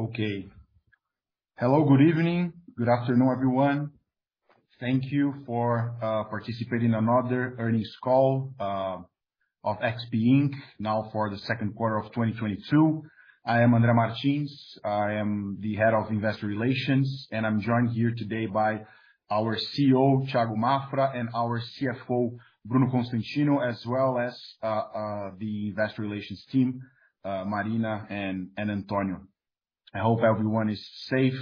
Okay. Hello, good evening. Good afternoon, everyone. Thank you for participating another earnings call of XP Inc, now for the Second Quarter of 2022. I am André Martins. I am the Head of Investor Relations, and I'm joined here today by our CEO, Thiago Maffra, and our CFO, Bruno Constantino, as well as the investor relations team, Marina and Antonio. I hope everyone is safe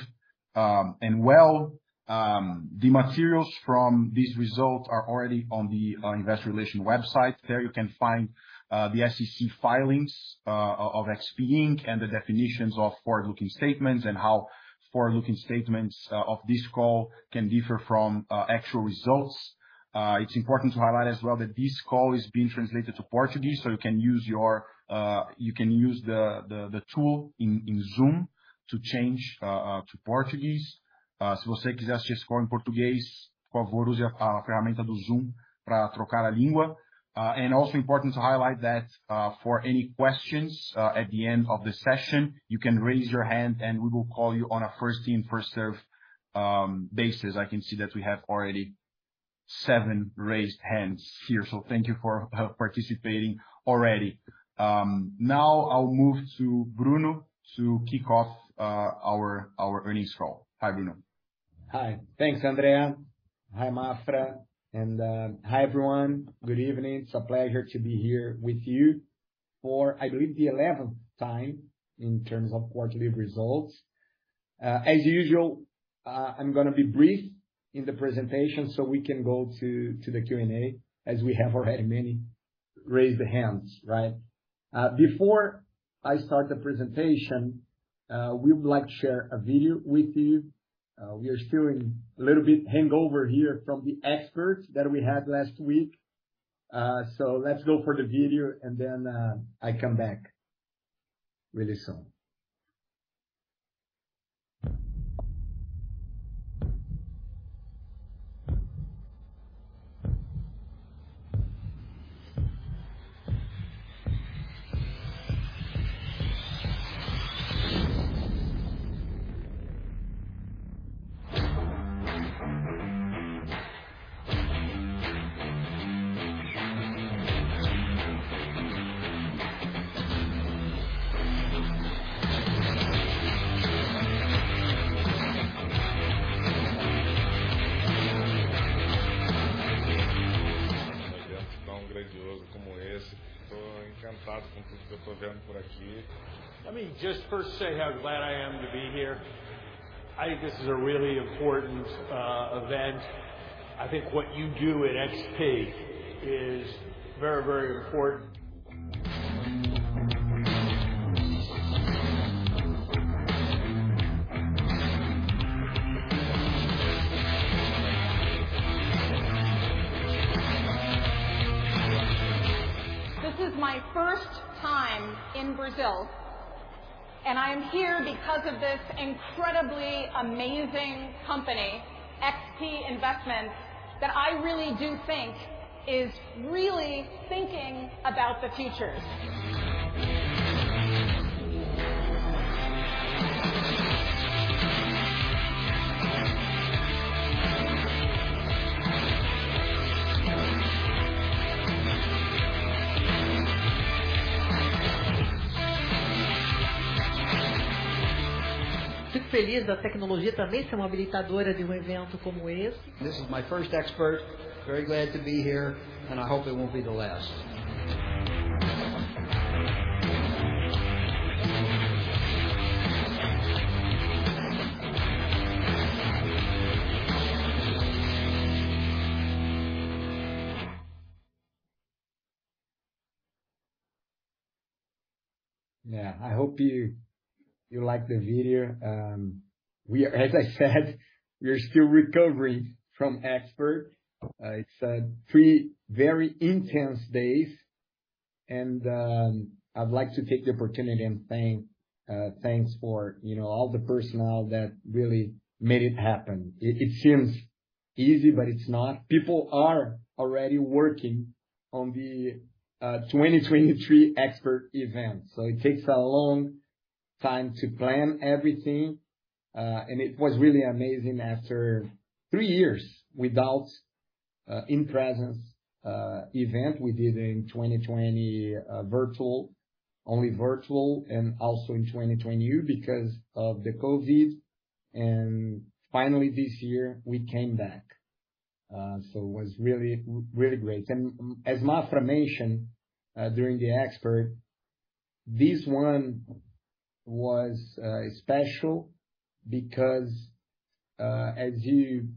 and well. The materials from these results are already on the investor relations website. There you can find the SEC filings of XP Inc. and the definitions of forward-looking statements and how forward-looking statements of this call can differ from actual results. It's important to highlight as well that this call is being translated to Portuguese, so you can use your, you can use the tool in Zoom to change to Portuguese. Also important to highlight that for any questions at the end of the session, you can raise your hand, and we will call you on a first come, first served basis. I can see that we have already seven raised hands here. Thank you for participating already. Now I'll move to Bruno to kick off our earnings call. Hi, Bruno. Hi. Thanks, André. Hi, Maffra. Hi, everyone. Good evening. It's a pleasure to be here with you for, I believe, the 11th time in terms of quarterly results. As usual, I'm gonna be brief in the presentation, so we can go to the Q&A, as we have already many raised hands, right? Before I start the presentation, we would like to share a video with you. We are still a little bit hungover here from the Expert XP that we had last week. Let's go for the video and then I come back really soon. Let me just first say how glad I am to be here. I think this is a really important event. I think what you do at XP is very, very important. This is my first time in Brazil, and I'm here because of this incredibly amazing company, XP Investments, that I really do think is really thinking about the future. This is my first Expert XP. Very glad to be here, and I hope it won't be the last. Yeah, I hope you like the video. As I said, we are still recovering from Expert. It's three very intense days and I'd like to take the opportunity and thank you know all the personnel that really made it happen. It seems easy, but it's not. People are already working on the 2023 Expert event, so it takes a long time to plan everything. It was really amazing after three years without in-person event. We did it in 2020 virtual, only virtual, and also in 2021 because of COVID, and finally this year we came back. It was really great. As Maffra mentioned, during the Expert, this one was special because as you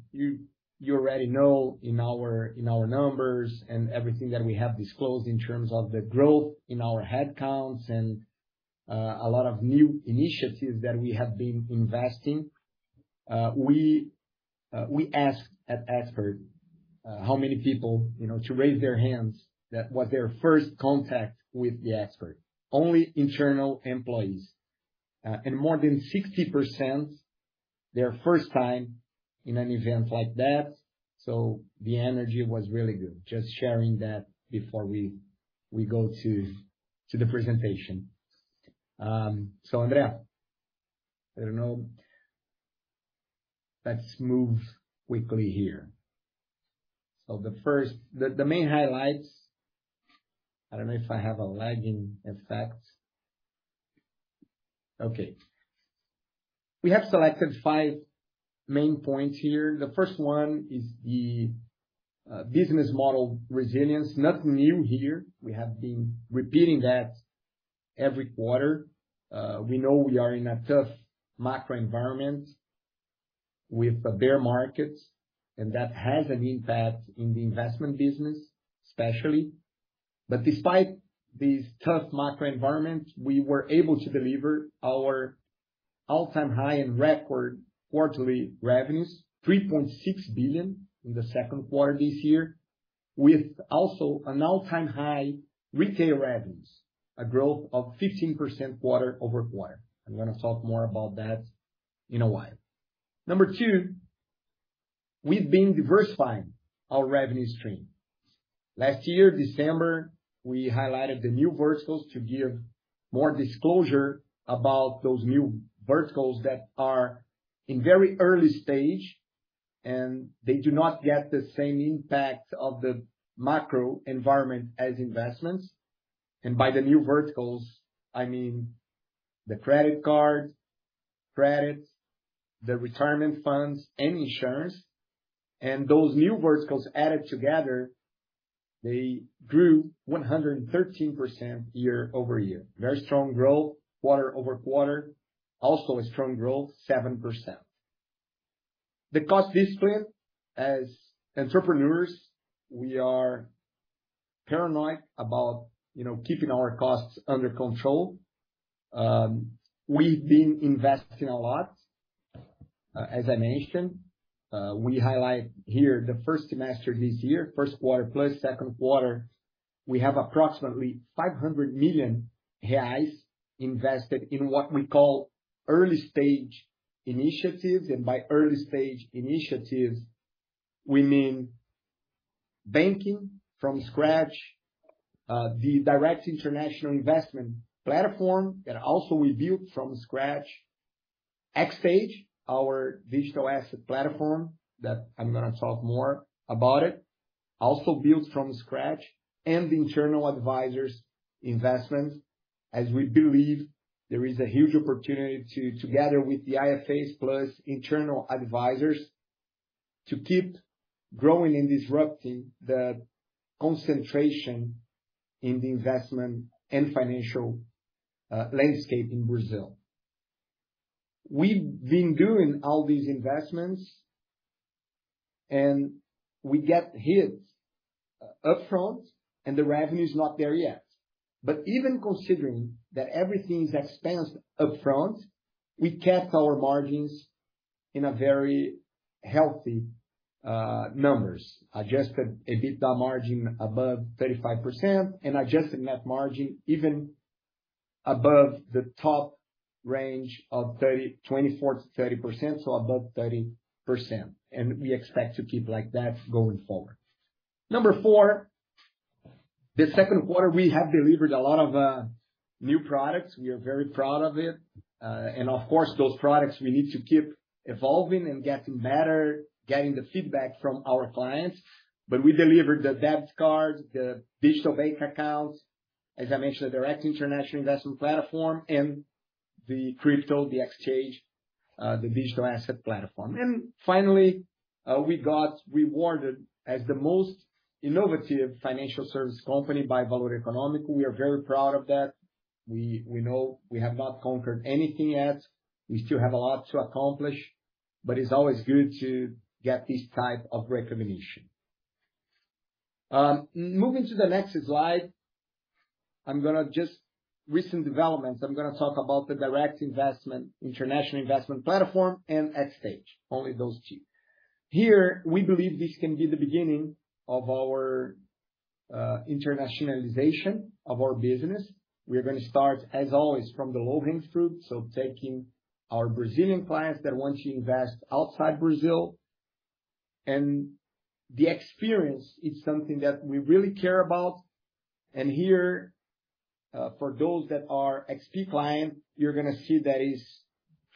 already know in our numbers and everything that we have disclosed in terms of the growth in our headcounts and a lot of new initiatives that we have been investing, we asked at Expert how many people, you know, to raise their hands that was their first contact with the Expert, only internal employees. More than 60% their first time in an event like that, so the energy was really good. Just sharing that before we go to the presentation. André, I don't know. Let's move quickly here. The main highlights. I don't know if I have a lagging effect. Okay. We have selected five main points here. The first one is the business model resilience. Nothing new here. We have been repeating that every quarter. We know we are in a tough macro environment with the bear markets, and that has an impact in the investment business, especially. Despite this tough macro environment, we were able to deliver our all-time high and record quarterly revenues, 3.6 billion in the second quarter this year, with also an all-time high retail revenues, a growth of 15% quarter-over-quarter. I'm gonna talk more about that in a while. Number two, we've been diversifying our revenue stream. Last year, December, we highlighted the new verticals to give more disclosure about those new verticals that are in very early stage, and they do not get the same impact of the macro environment as investments. By the new verticals, I mean, the credit card, credits, the retirement funds, and insurance. Those new verticals added together, they grew 113% year-over-year. Very strong growth. Quarter-over-quarter, also a strong growth, 7%. The cost discipline. As entrepreneurs, we are paranoid about, you know, keeping our costs under control. We've been investing a lot, as I mentioned. We highlight here the first semester this year, first quarter plus second quarter. We have approximately 500 million reais invested in what we call early stage initiatives. By early stage initiatives, we mean banking from scratch, the direct international investment platform that also we built from scratch. XTAGE, our digital asset platform that I'm gonna talk more about it, also built from scratch. Internal advisors investments, as we believe there is a huge opportunity to, together with the IFAs plus internal advisors, to keep growing and disrupting the concentration in the investment and financial landscape in Brazil. We've been doing all these investments, and we get hit upfront, and the revenue is not there yet. Even considering that everything is expensed upfront, we kept our margins in a very healthy numbers. Adjusted EBITDA margin above 35% and adjusted net margin even above the top range of 24%-30%, so above 30%. We expect to keep like that going forward. Number four, this second quarter, we have delivered a lot of new products. We are very proud of it. Of course, those products we need to keep evolving and getting better, getting the feedback from our clients. We delivered the debit cards, the digital bank accounts. As I mentioned, the direct international investment platform and the crypto, the exchange, the digital asset platform. Finally, we got rewarded as the most innovative financial service company by Valor Econômico. We are very proud of that. We know we have not conquered anything yet. We still have a lot to accomplish, but it's always good to get this type of recognition. Moving to the next slide, I'm gonna talk about the direct international investment platform, and XTAGE, only those two. Here, we believe this can be the beginning of our internationalization of our business. We are gonna start, as always, from the low-hanging fruit, so taking our Brazilian clients that want to invest outside Brazil. The experience is something that we really care about. Here, for those that are XP client, you're gonna see that it's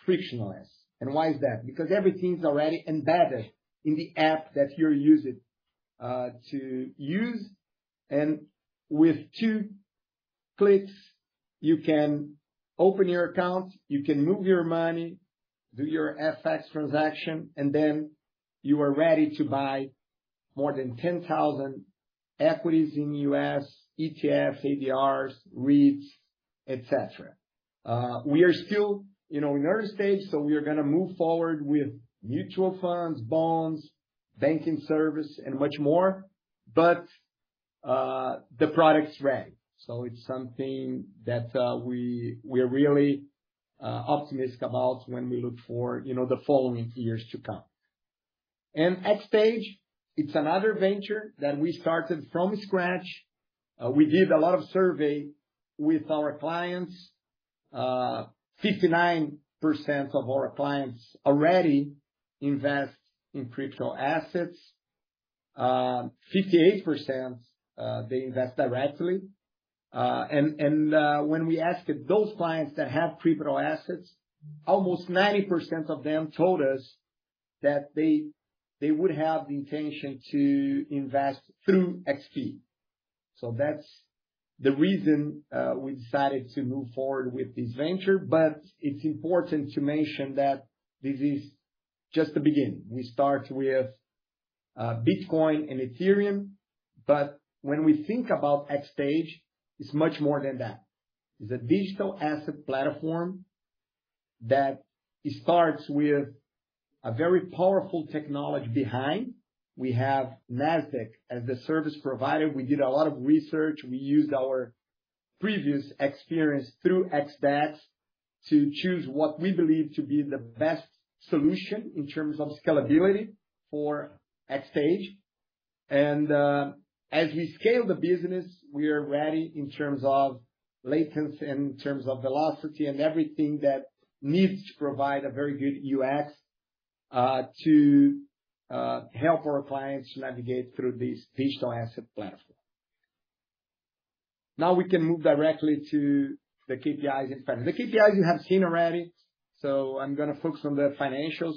frictionless. Why is that? Because everything's already embedded in the app that you're using to use. With two clicks, you can open your account, you can move your money, do your FX transaction, and then you are ready to buy more than 10,000 equities in U.S., ETFs, ADRs, REITs, et cetera. We are still, you know, in early stage, so we're gonna move forward with mutual funds, bonds, banking service, and much more. The product's ready, so it's something that we're really optimistic about when we look for, you know, the following years to come. XTAGE, it's another venture that we started from scratch. We did a lot of survey with our clients. 59% of our clients already invest in crypto assets. 58%, they invest directly. When we ask those clients that have crypto assets, almost 90% of them told us that they would have the intention to invest through XP. That's the reason we decided to move forward with this venture. It's important to mention that this is just the beginning. We start with Bitcoin and Ethereum, but when we think about XTAGE, it's much more than that. It's a digital asset platform that starts with a very powerful technology behind. We have Nasdaq as the service provider. We did a lot of research. We used our previous experience through XDEX to choose what we believe to be the best solution in terms of scalability for XTAGE. As we scale the business, we are ready in terms of latency and in terms of velocity and everything that needs to provide a very good UX to help our clients navigate through this digital asset platform. Now we can move directly to the KPIs and finance. The KPIs you have seen already, so I'm gonna focus on the financials.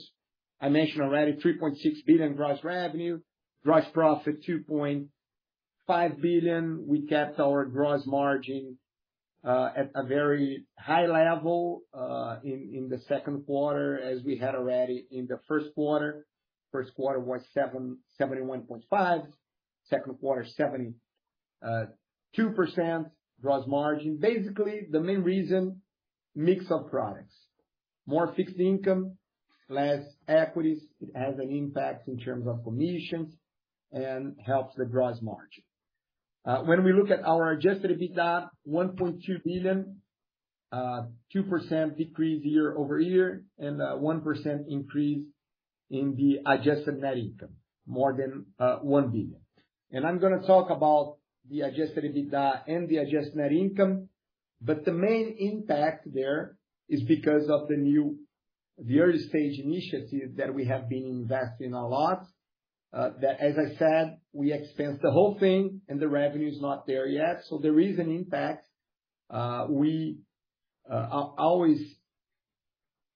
I mentioned already 3.6 billion gross revenue. Gross profit, 2.5 billion. We kept our gross margin at a very high level in the second quarter, as we had already in the first quarter. First quarter was 71.5%. Second quarter, 72% gross margin. Basically, the main reason, mix of products. More fixed income, less equities. It has an impact in terms of commissions and helps the gross margin. When we look at our adjusted EBITDA, 1.2 billion, 2% decrease year-over-year, and 1% increase in the adjusted net income, more than 1 billion. I'm gonna talk about the adjusted EBITDA and the adjusted net income. The main impact there is because of the early-stage initiatives that we have been investing a lot. That, as I said, we expense the whole thing and the revenue is not there yet. There is an impact. We always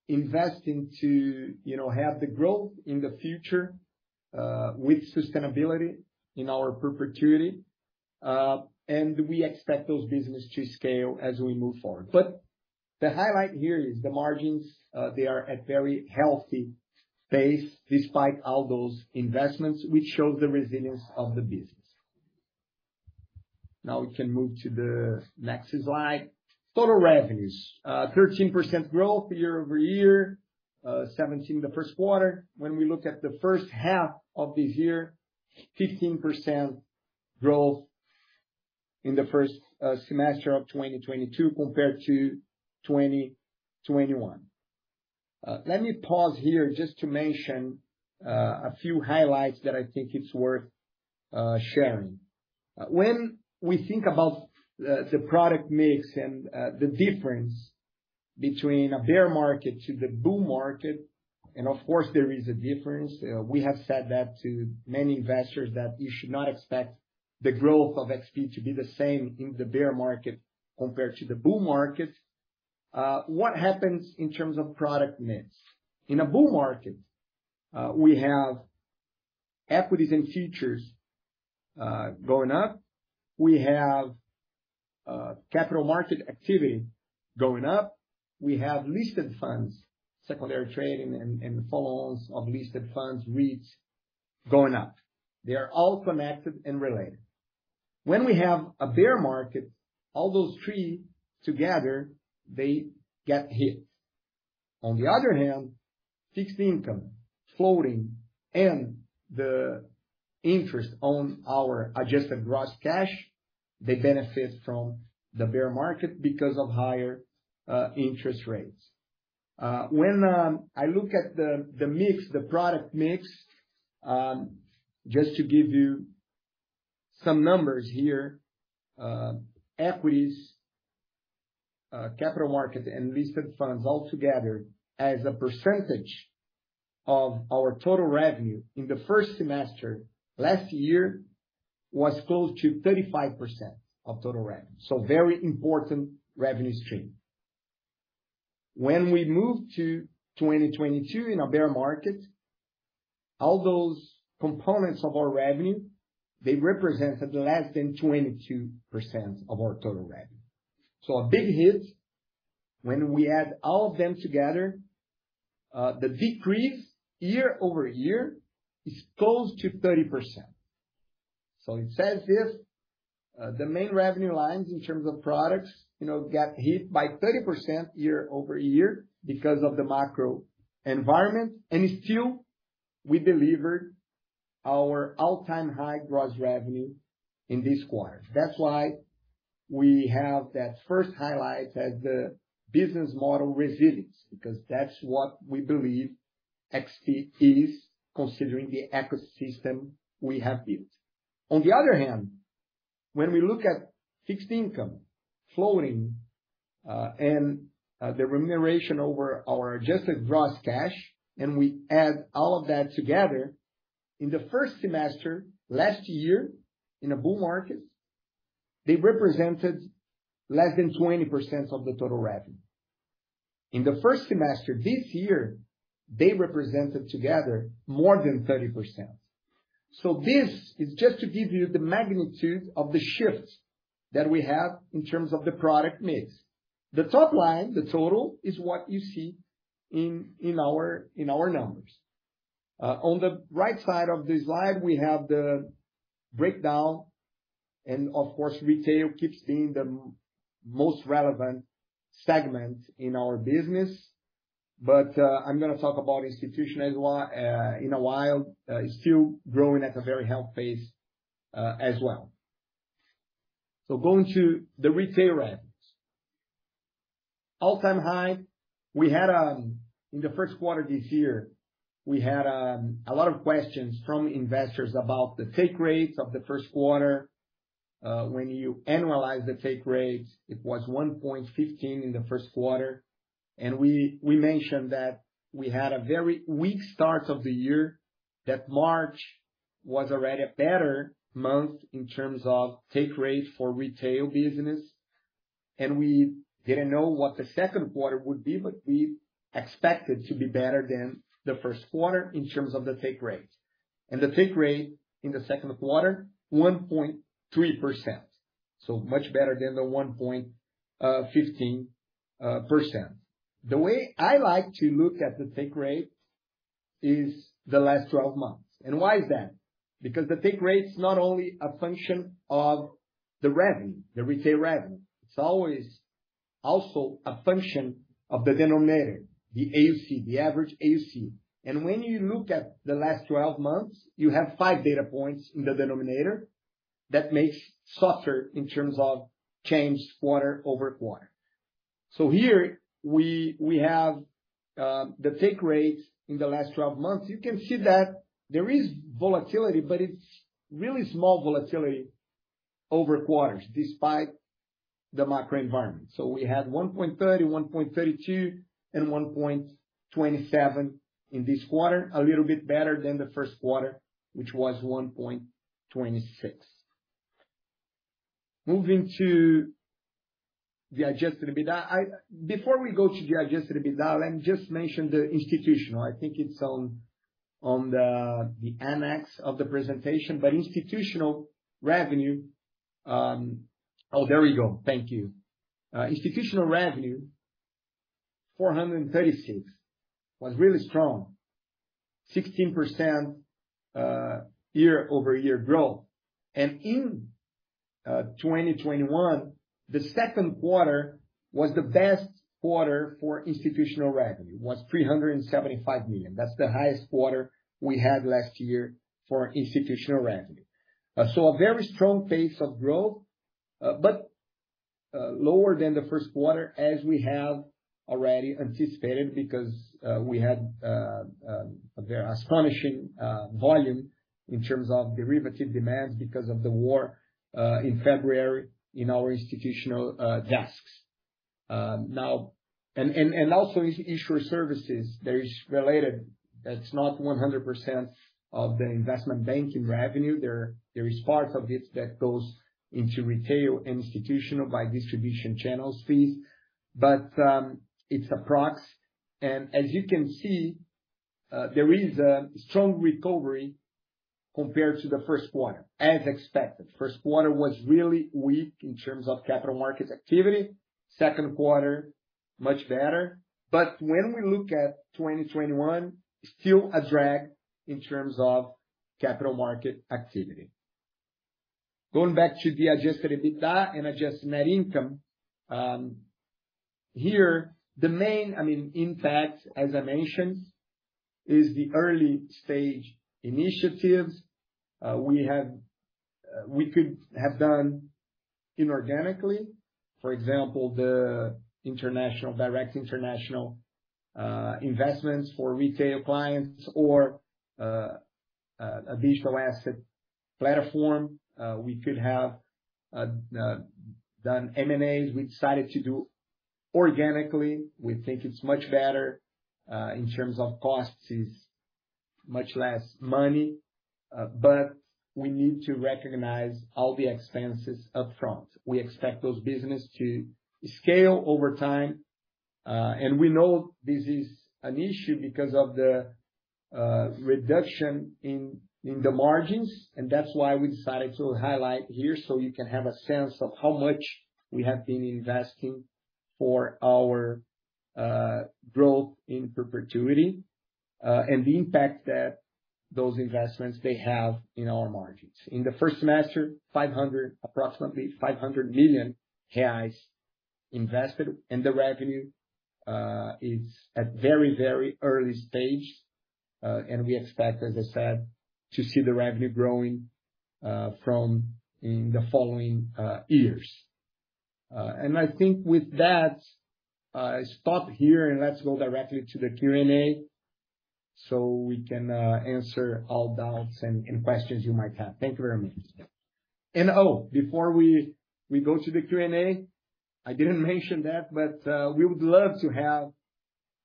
investing to, you know, have the growth in the future, with sustainability in our perpetuity. We expect those business to scale as we move forward. The highlight here is the margins. They are at very healthy pace despite all those investments, which shows the resilience of the business. Now we can move to the next slide. Total revenues, 13% growth year-over-year, 17% in the first quarter. When we look at the first half of this year, 15% growth in the first semester of 2022 compared to 2021. Let me pause here just to mention a few highlights that I think it's worth sharing. When we think about the product mix and the difference between a bear market to the bull market, and of course there is a difference, we have said that to many investors that you should not expect the growth of XP to be the same in the bear market compared to the bull market. What happens in terms of product mix? In a bull market, we have equities and futures going up. We have capital market activity going up. We have listed funds, secondary trading and own loans of listed funds, REITs going up. They are all connected and related. When we have a bear market, all those three together, they get hit. On the other hand, fixed income, floating, and the interest on our adjusted gross cash, they benefit from the bear market because of higher interest rates. When I look at the mix, the product mix, just to give you some numbers here, equities, capital market and listed funds all together as a percentage of our total revenue in the first semester last year was close to 35% of total revenue. Very important revenue stream. When we moved to 2022 in a bear market, all those components of our revenue, they represented less than 22% of our total revenue. A big hit when we add all of them together, the decrease year-over-year is close to 30%. It shows this, the main revenue lines in terms of products, you know, got hit by 30% year-over-year because of the macro environment. Still, we delivered our all-time high gross revenue in this quarter. That's why we have that first highlight at the business model resilience, because that's what we believe XP is considering the ecosystem we have built. On the other hand, when we look at fixed income, floating and the remuneration over our adjusted gross cash, and we add all of that together, in the first semester last year in a bull market, they represented less than 20% of the total revenue. In the first semester this year, they represented together more than 30%. This is just to give you the magnitude of the shifts that we have in terms of the product mix. The top line, the total, is what you see in our numbers. On the right side of this slide, we have the breakdown and of course, retail keeps being the most relevant segment in our business. I'm gonna talk about institutional in a while. It's still growing at a very healthy pace as well. Going to the retail revenues. All-time high in the first quarter this year. We had a lot of questions from investors about the take rates of the first quarter. When you annualize the take rates, it was 1.15% in the first quarter. We mentioned that we had a very weak start of the year, that March was already a better month in terms of take rate for retail business. We didn't know what the second quarter would be, but we expected to be better than the first quarter in terms of the take rate. The take rate in the second quarter, 1.3%, so much better than the 1.15%. The way I like to look at the take rate is the last 12 months. Why is that? Because the take rate is not only a function of the revenue, the retail revenue, it's always also a function of the denominator, the AUC, the average AUC. When you look at the last twelve months, you have five data points in the denominator that makes softer in terms of change quarter-over-quarter. Here we have the take rates in the last 12 months. You can see that there is volatility, but it's really small volatility over quarters despite the macro environment. We had 1.30%, 1.32%, and 1.27% in this quarter. A little bit better than the first quarter, which was 1.26%. Moving to the adjusted EBITDA. Before we go to the adjusted EBITDA, let me just mention the institutional. I think it's on the annex of the presentation, but institutional revenue. Oh, there we go. Thank you. Institutional revenue, 436 million, was really strong. 16% year-over-year growth. In 2021, the second quarter was the best quarter for institutional revenue. It was 375 million. That's the highest quarter we had last year for institutional revenue. So a very strong pace of growth, but lower than the first quarter as we have already anticipated because we had an astonishing volume in terms of derivative demands because of the war in February in our institutional desks. Now also issuer services, there is related. That's not 100% of the investment banking revenue. There is part of it that goes into retail and institutional by distribution channels fees, but it's approx. As you can see, there is a strong recovery compared to the first quarter, as expected. First quarter was really weak in terms of capital markets activity. Second quarter, much better. When we look at 2021, still a drag in terms of capital market activity. Going back to the adjusted EBITDA and adjusted net income. Here, I mean, the main impact, as I mentioned, is the early stage initiatives we could have done inorganically. For example, direct international investments for retail clients or a digital asset platform. We could have done M&As. We decided to do organically. We think it's much better in terms of costs. It's much less money. We need to recognize all the expenses upfront. We expect those business to scale over time. We know this is an issue because of the reduction in the margins, and that's why we decided to highlight here so you can have a sense of how much we have been investing for our growth in perpetuity, and the impact that those investments they have in our margins. In the first semester, approximately 500 million reais invested in the revenue is at very, very early stage, and we expect, as I said, to see the revenue growing from in the following years. I think with that, I stop here, and let's go directly to the Q&A, so we can answer all doubts and questions you might have. Thank you very much. Oh, before we go to the Q&A, I didn't mention that, but we would love to have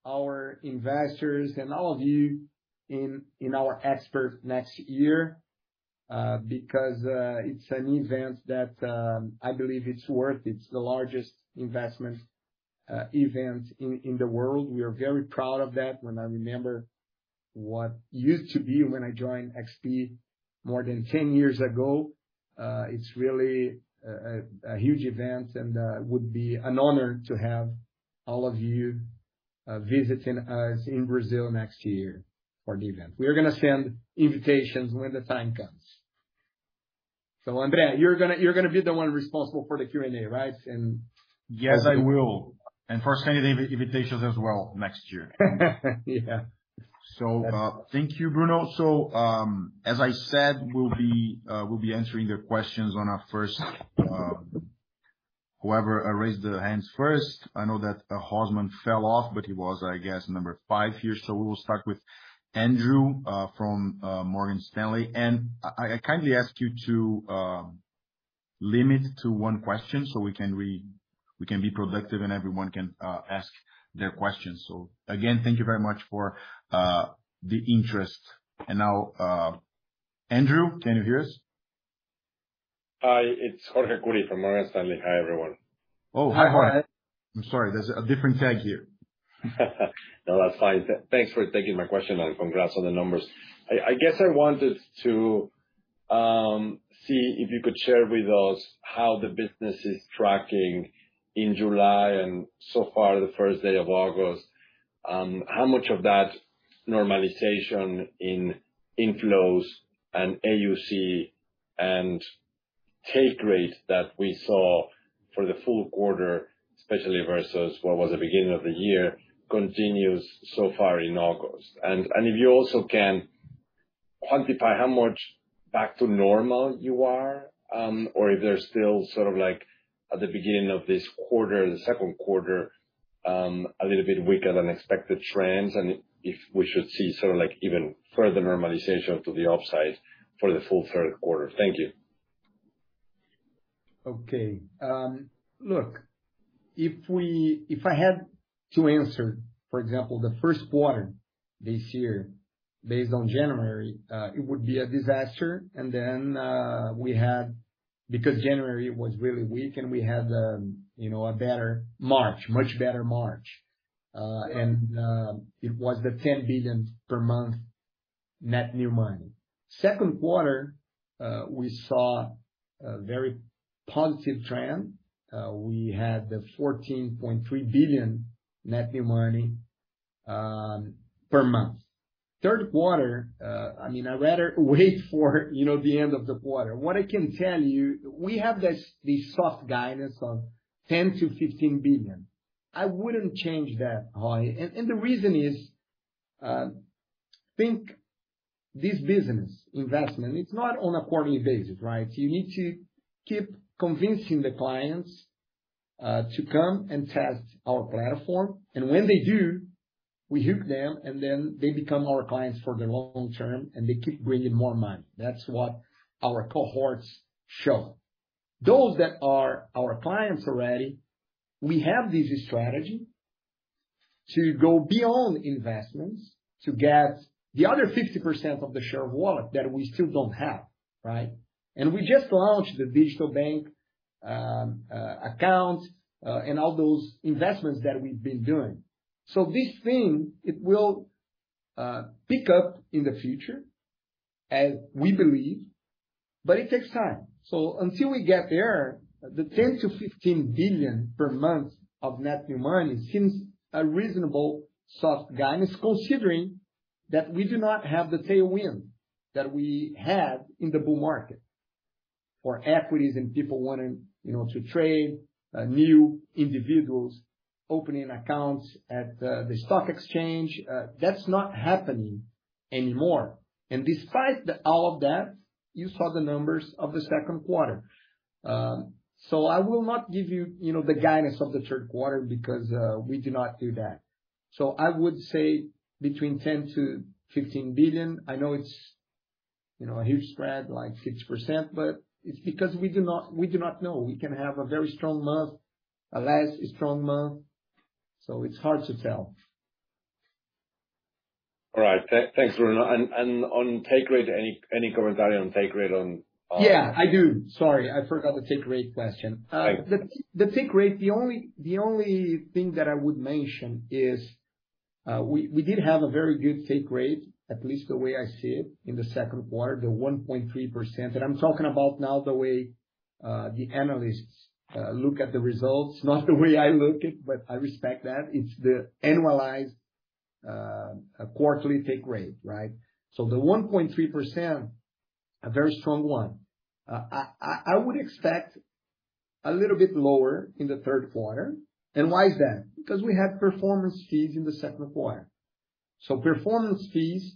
our investors and all of you in our Expert XP next year, because it's an event that I believe it's worth. It's the largest investment event in the world. We are very proud of that. When I remember what used to be when I joined XP more than 10 years ago, it's really a huge event, and it would be an honor to have all of you visiting us in Brazil next year for the event. We're gonna send invitations when the time comes. Andre, you're gonna be the one responsible for the Q&A, right? Yes, I will. For sending the invitations as well next year. Yeah. Thank you, Bruno. As I said, we'll be answering the questions first whoever raised their hands first. I know that Rosman fell off, but he was, I guess, number five here. We will start with Andrew from Morgan Stanley. I kindly ask you to limit to one question, so we can be productive and everyone can ask their questions. Again, thank you very much for the interest. Now, Andrew, can you hear us? Hi, it's Jorge Kuri from Morgan Stanley. Hi, everyone. Oh, hi, Jorge. Hi. I'm sorry. There's a different tag here. No, that's fine. Thanks for taking my question, and congrats on the numbers. I guess I wanted to see if you could share with us how the business is tracking in July and so far the first day of August. How much of that normalization in inflows and AUC and take rate that we saw for the full quarter, especially versus what was the beginning of the year, continues so far in August? And if you also can quantify how much back to normal you are, or if there's still sort of like at the beginning of this quarter, the second quarter, a little bit weaker than expected trends, and if we should see sort of like even further normalization to the upside for the full third quarter. Thank you. Okay. Look, if I had to answer, for example, the first quarter this year based on January, it would be a disaster. Because January was really weak and we had, you know, a better March, much better March. It was the 10 billion per month net new money. Second quarter, we saw a very positive trend. We had the 14.3 billion net new money per month. Third quarter, I mean, I'd rather wait for, you know, the end of the quarter. What I can tell you, we have this, the soft guidance of 10 billion-15 billion. I wouldn't change that, Jorge. The reason is, think this business investment, it's not on a quarterly basis, right? You need to keep convincing the clients to come and test our platform. When they do, we hook them, and then they become our clients for the long term, and they keep bringing more money. That's what our cohorts show. Those that are our clients already, we have this strategy to go beyond investments to get the other 50% of the share of wallet that we still don't have, right? We just launched the digital bank accounts, and all those investments that we've been doing. This thing, it will pick up in the future, as we believe, but it takes time. Until we get there, the 10 billion-15 billion per month of net new money seems a reasonable soft guidance, considering that we do not have the tailwind that we had in the bull market for equities and people wanting, you know, to trade, new individuals opening accounts at the stock exchange. That's not happening anymore. Despite all of that, you saw the numbers of the second quarter. I will not give you know, the guidance of the third quarter because we do not do that. I would say between 10 billion-15 billion. I know it's, you know, a huge spread, like 6%, but it's because we do not know. We can have a very strong month, a less strong month, so it's hard to tell. All right. Thanks, Bruno. On take rate, any commentary on take rate on? Yeah, I do. Sorry, I forgot the take rate question. Thank you. The take rate, the only thing that I would mention is, we did have a very good take rate, at least the way I see it, in the second quarter, the 1.3%. I'm talking about now the way, the analysts, look at the results, not the way I look at, but I respect that. It's the annualized, quarterly take rate, right? The 1.3%—a very strong one. I would expect a little bit lower in the third quarter. Why is that? Because we have performance fees in the second quarter. Performance fees,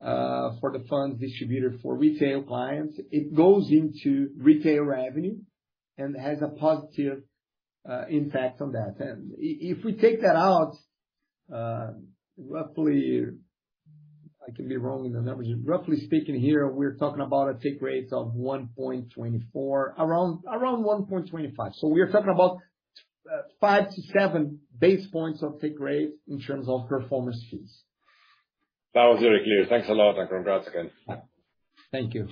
for the funds distributor for retail clients, it goes into retail revenue and has a positive, impact on that. If we take that out, roughly, I could be wrong with the numbers. Roughly speaking here, we're talking about take rates of 1.24, around 1.25. We are talking about five to seven base points of take rates in terms of performance fees. That was very clear. Thanks a lot, and congrats again. Thank you.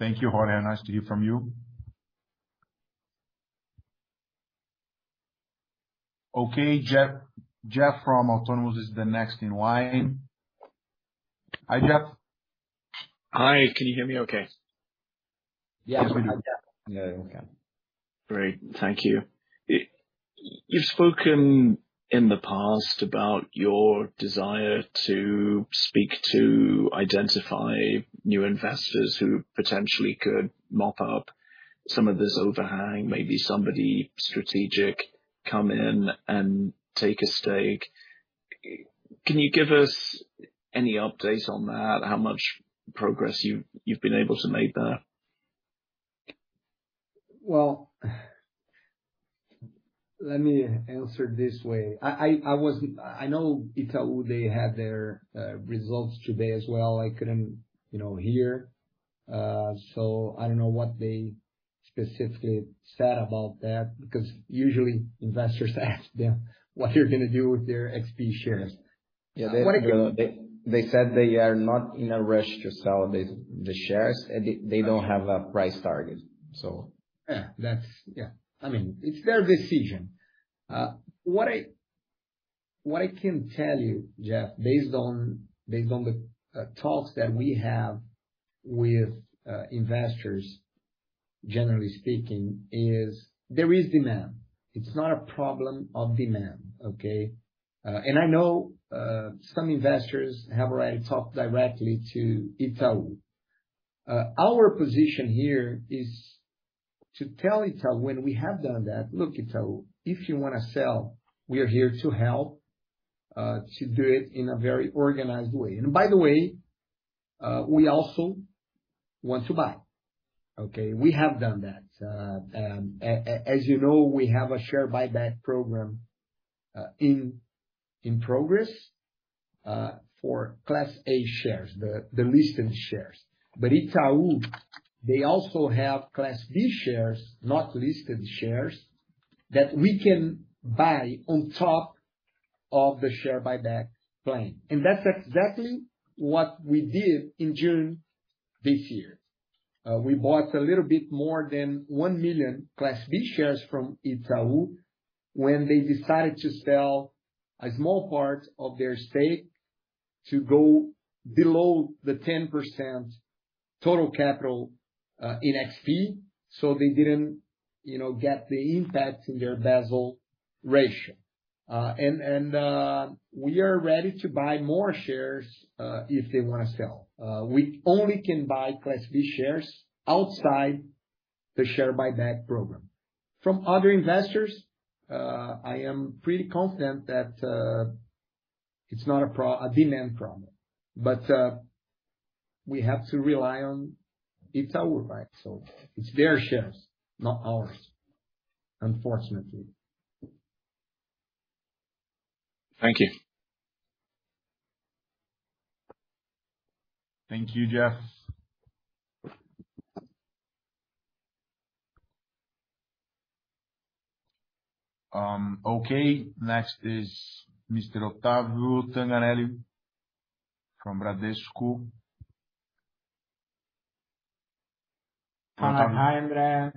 Thank you, Jorge. Nice to hear from you. Okay, Jeff. Jeff from Autonomous is the next in line. Hi, Jeff. Hi. Can you hear me okay? Yeah. Yeah. We can. Great. Thank you. You've spoken in the past about your desire to seek to identify new investors who potentially could mop up some of this overhang, maybe somebody strategic come in and take a stake. Can you give us any updates on that? How much progress you've been able to make there? Well, let me answer this way. I know Itaú, they had their results today as well. I couldn't, you know, hear, so I don't know what they specifically said about that, because usually investors ask them what they're gonna do with their XP shares. Yeah. They said they are not in a rush to sell the shares, and they don't have a price target, so. Yeah, that's. Yeah. I mean, it's their decision. What I can tell you, Jeff, based on the talks that we have with investors, generally speaking, is there is demand. It's not a problem of demand, okay? I know some investors have already talked directly to Itaú. Our position here is to tell Itaú when we have done that, "Look, Itaú, if you wanna sell, we are here to help to do it in a very organized way." By the way, we also want to buy, okay? We have done that. As you know, we have a share buyback program in progress for Class A shares, the listed shares. Itaú, they also have Class B shares, not listed shares, that we can buy on top of the share buyback plan. That's exactly what we did in June this year. We bought a little bit more than one million Class B shares from Itaú when they decided to sell a small part of their stake to go below the 10% total capital in XP, so they didn't, you know, get the impact in their Basel ratio. We are ready to buy more shares if they wanna sell. We only can buy Class B shares outside the share buyback program. From other investors, I am pretty confident that it's not a demand problem, but we have to rely on Itaú, right? It's their shares, not ours, unfortunately. Thank you. Thank you, Jeff. Okay, next is Mr. Otávio Tanganelli from Bradesco. Hi, André, Maffra, Bruno. Otávio. Hello, Otávio. Thanks for taking my question. I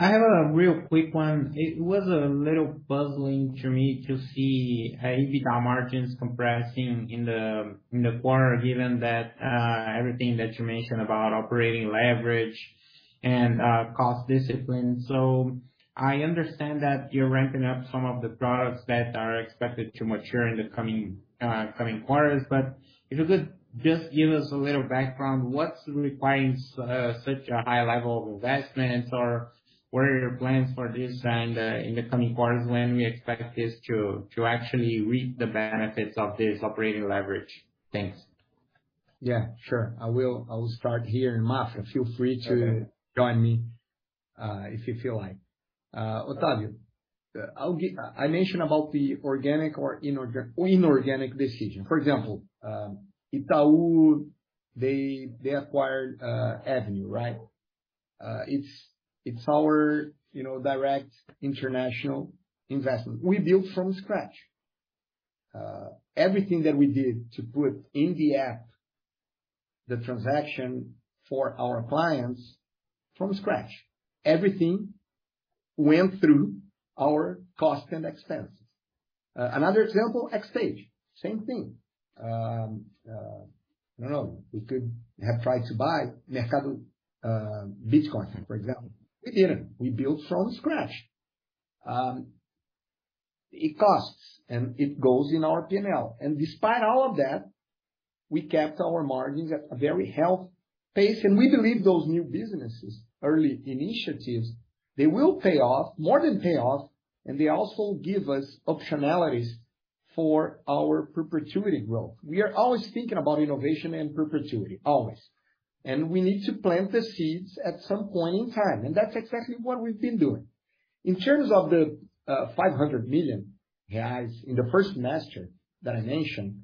have a real quick one. It was a little puzzling to me to see EBITDA margins compressing in the quarter, given that everything that you mentioned about operating leverage and cost discipline. I understand that you're ramping up some of the products that are expected to mature in the coming quarters, but if you could just give us a little background, what's requiring such a high level of investments, or what are your plans for this and in the coming quarters, when we expect this to actually reap the benefits of this operating leverage? Thanks. Yeah, sure. I will start here, and Maffra, feel free to join me, if you feel like. Otavio, I'll give. I mentioned about the organic or inorganic decision. For example, Itaú, they acquired Avenue, right? It's our, you know, direct international investment. We built from scratch. Everything that we did to put in the app the transaction for our clients from scratch. Everything went through our cost and expenses. Another example, XTAGE, same thing. I don't know, we could have tried to buy Mercado Bitcoin, for example. We didn't. We built from scratch. It costs, and it goes in our P&L. Despite all of that, we kept our margins at a very healthy pace. We believe those new businesses, early initiatives, they will pay off, more than pay off, and they also give us optionalities for our perpetuity growth. We are always thinking about innovation and perpetuity, always. We need to plant the seeds at some point in time, and that's exactly what we've been doing. In terms of the 500 million reais in the first semester that I mentioned,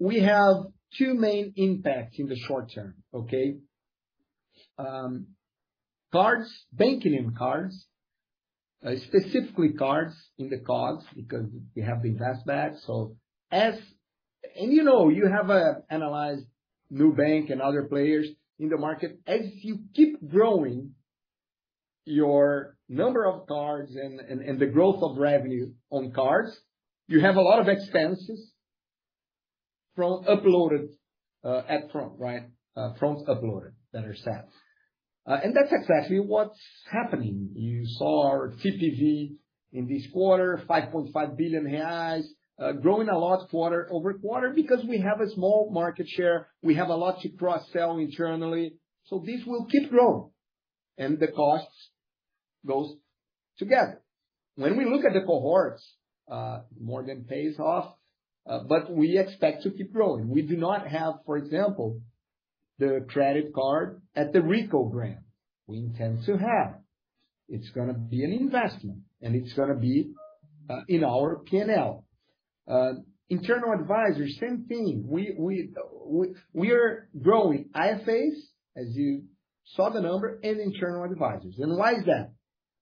we have two main impacts in the short term, okay? Cards, banking and cards, specifically cards in the costs because we have invested that. You know, you have analyzed Nubank and other players in the market. As you keep growing your number of cards and the growth of revenue on cards, you have a lot of expenses from upfront, right? Upfront that are set. That's exactly what's happening. You saw our TPV in this quarter, 5.5 billion reais, growing a lot quarter-over-quarter because we have a small market share. We have a lot to cross-sell internally. This will keep growing and the costs go together. When we look at the cohorts, more than pays off, but we expect to keep growing. We do not have, for example, the credit card at Rico yet. We intend to have. It's gonna be an investment, and it's gonna be in our P&L. Internal advisors, same thing. We're growing IFAs, as you saw the number, and internal advisors. Why is that?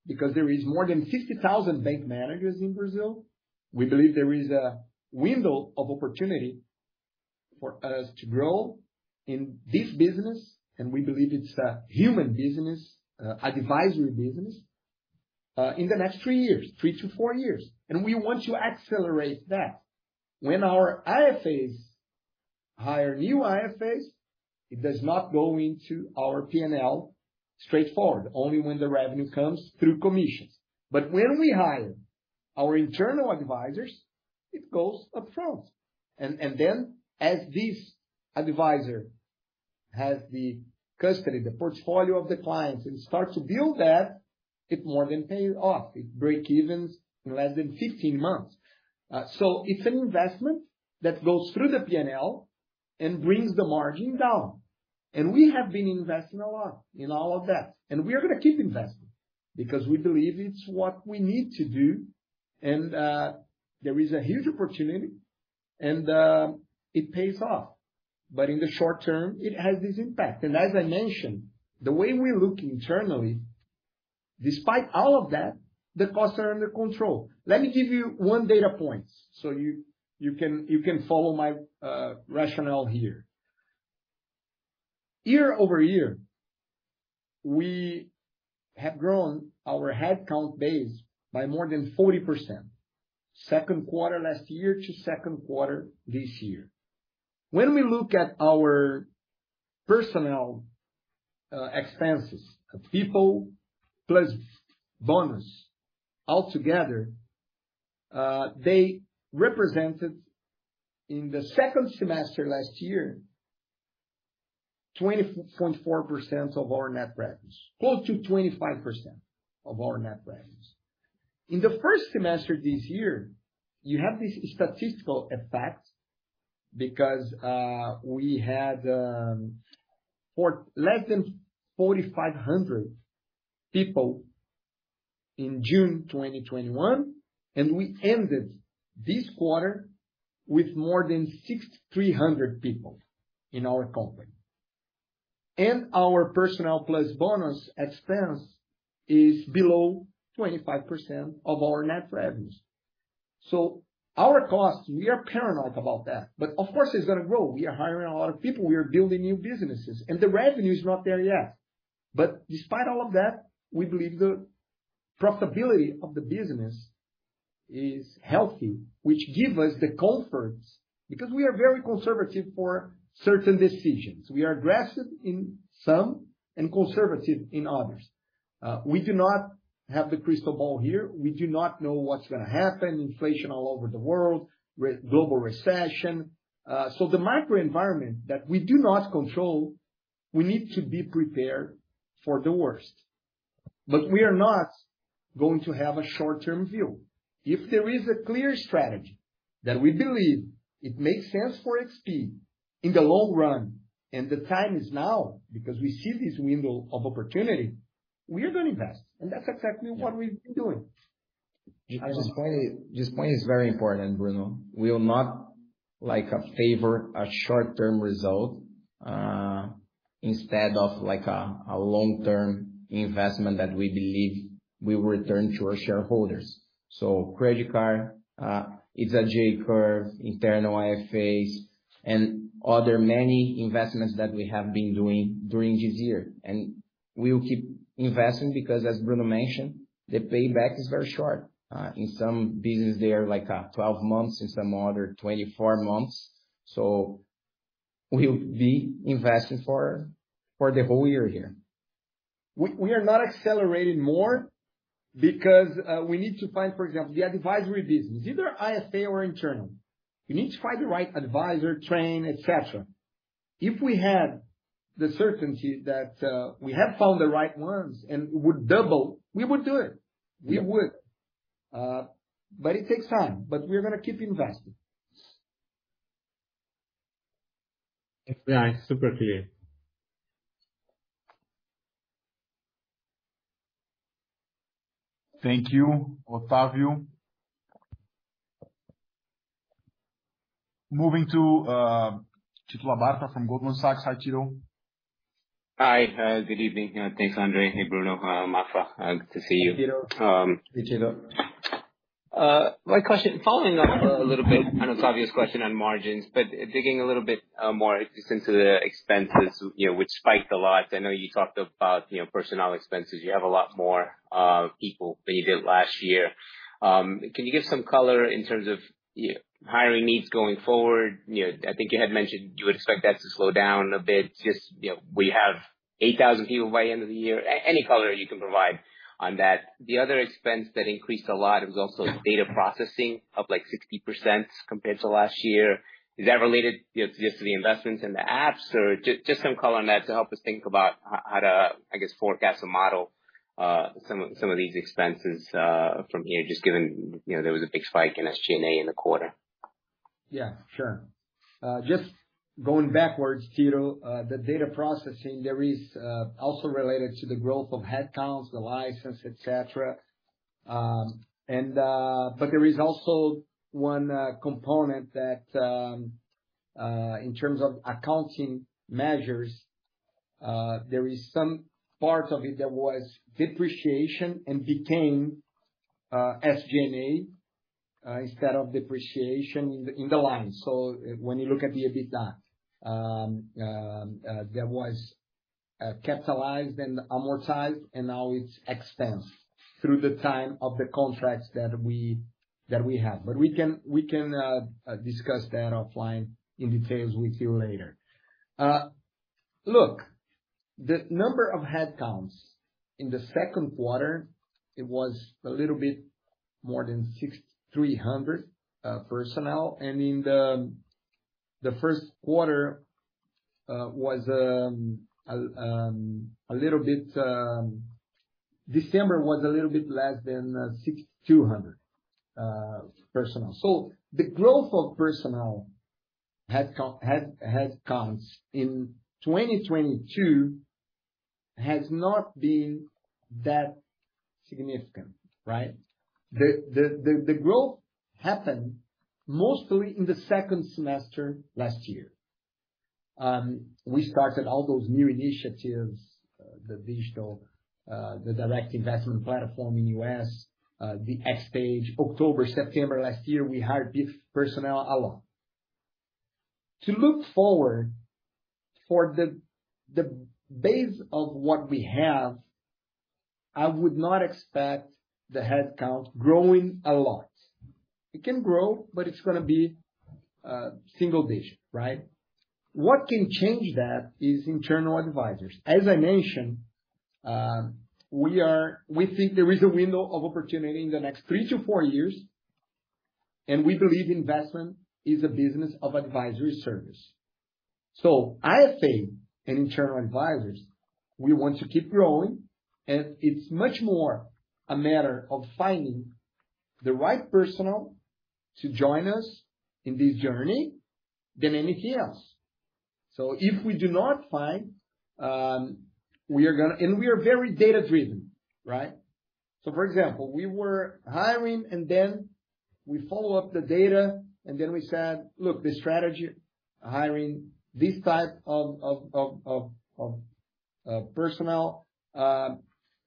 Because there is more than 50,000 bank managers in Brazil. We believe there is a window of opportunity for us to grow in this business, and we believe it's a human business, advisory business, in the next three years, three to four years. We want to accelerate that. When our IFAs hire new IFAs, it does not go into our P&L straightforward, only when the revenue comes through commissions. When we hire our internal advisors, it goes up front. Then as this advisor has the custody, the portfolio of the clients, and starts to build that, it more than pays off. It breakevens in less than 15 months. So it's an investment that goes through the P&L and brings the margin down. We have been investing a lot in all of that. We are gonna keep investing because we believe it's what we need to do and there is a huge opportunity and it pays off. In the short term, it has this impact. As I mentioned, the way we look internally, despite all of that, the costs are under control. Let me give you one data point, so you can follow my rationale here. Year-over-year, we have grown our headcount base by more than 40%, second quarter last year to second quarter this year. When we look at our personnel expenses, people plus bonus altogether, they represented in the second semester last year, 24.4% of our net revenues, close to 25% of our net revenues. In the first semester this year, you have this statistical effect because we had for less than 4,500 people in June 2021, and we ended this quarter with more than 6,300 people in our company. Our personnel plus bonus expense is below 25% of our net revenues. Our costs, we are paranoid about that. Of course it's gonna grow. We are hiring a lot of people. We are building new businesses. The revenue is not there yet. Despite all of that, we believe the profitability of the business is healthy, which give us the comforts. Because we are very conservative for certain decisions. We are aggressive in some and conservative in others. We do not have the crystal ball here. We do not know what's gonna happen, inflation all over the world, global recession. The macro environment that we do not control, we need to be prepared for the worst. We are not going to have a short-term view. If there is a clear strategy that we believe it makes sense for XP in the long run, and the time is now because we see this window of opportunity, we are gonna invest, and that's exactly what we've been doing. This point is very important, Bruno. We will not favor a short-term result instead of a long-term investment that we believe will return to our shareholders. Credit card, it's a J curve, internal IFAs, and many other investments that we have been doing during this year. We will keep investing because as Bruno mentioned, the payback is very short. In some business they are like 12 months, in some other 24 months. We'll be investing for the whole year here. We are not accelerating more because we need to find, for example, the advisory business, either IFA or internal. We need to find the right advisor, train, et cetera. If we had the certainty that we have found the right ones and would double, we would do it. We would. It takes time, but we're gonna keep investing. Yeah, it's super clear. Thank you, Otávio. Moving to, Tito Labarta from Goldman Sachs. Hi, Tito. Hi. Good evening. Thanks, André. Hey, Bruno. Maffra, good to see you. Hi, Tito. Hi, Tito. My question, following up a little bit on Otávio's question on margins, but digging a little bit more into the expenses, you know, which spiked a lot. I know you talked about, you know, personnel expenses. You have a lot more people than you did last year. Can you give some color in terms of, you know, hiring needs going forward? You know, I think you had mentioned you would expect that to slow down a bit. Just, you know, we have 8,000 people by end of the year. Any color you can provide on that. The other expense that increased a lot was also data processing, up like 60% compared to last year. Is that related just to the investments in the apps or just some color on that to help us think about how to, I guess, forecast a model, some of these expenses, from here, just given, you know, there was a big spike in SG&A in the quarter? Yeah, sure. Just going backwards, Tito, the data processing there is also related to the growth of headcounts, the license, et cetera. There is also one component that in terms of accounting measures, there is some part of it that was depreciation and became SG&A instead of depreciation in the line. When you look at the EBITDA, that was capitalized and amortized, and now it's expense through the time of the contracts that we have. We can discuss that offline in details with you later. Look, the number of headcounts in the second quarter, it was a little bit more than 6,300 personnel, and in the first quarter was a little bit less than 6,200 personnel. The growth of personnel headcount in 2022 has not been that significant, right? The growth happened mostly in the second semester last year. We started all those new initiatives, the direct investment platform in U.S., the XTAGE. October, September last year, we hired this personnel a lot. To look forward to the base of what we have, I would not expect the headcount growing a lot. It can grow, but it's gonna be single digit, right? What can change that is internal advisors. As I mentioned, we think there is a window of opportunity in the next three to four years, and we believe investment is a business of advisory service. IFA and internal advisors, we want to keep growing, and it's much more a matter of finding the right personnel to join us in this journey than anything else. If we do not find, we are gonna. We are very data-driven, right? For example, we were hiring and then we follow up the data and then we said, "Look, this strategy, hiring this type of personnel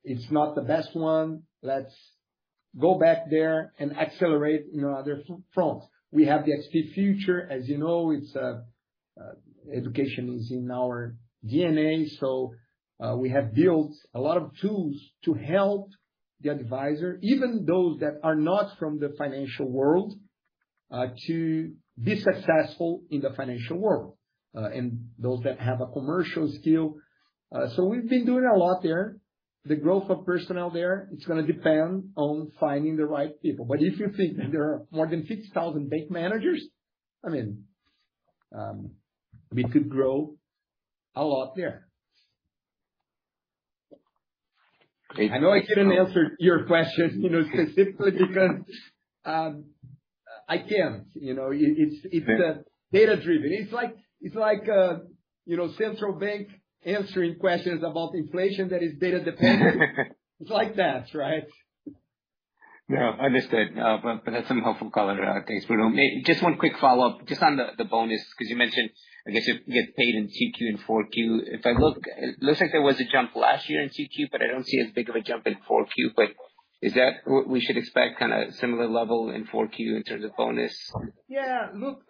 is not the best one. Let's go back there and accelerate in other fronts." We have the XP Future. As you know, it's education is in our DNA. We have built a lot of tools to help the advisor, even those that are not from the financial world, to be successful in the financial world, and those that have a commercial skill. We've been doing a lot there. The growth of personnel there, it's gonna depend on finding the right people. If you think there are more than 50,000 bank managers, I mean, we could grow a lot there. Okay. I know I couldn't answer your question, you know, specifically because, I can't. You know, it's data-driven. It's like, you know, central bank answering questions about inflation that is data dependent. It's like that, right? No, understood. But that's some helpful color. Thanks, Bruno. Just one quick follow-up, just on the bonus, 'cause you mentioned, I guess it gets paid in Q3 and Q4. If I look, it looks like there was a jump last year in Q3, but I don't see as big of a jump in Q4. Is that what we should expect kind of similar level in 4Q in terms of bonus? Yeah. Look,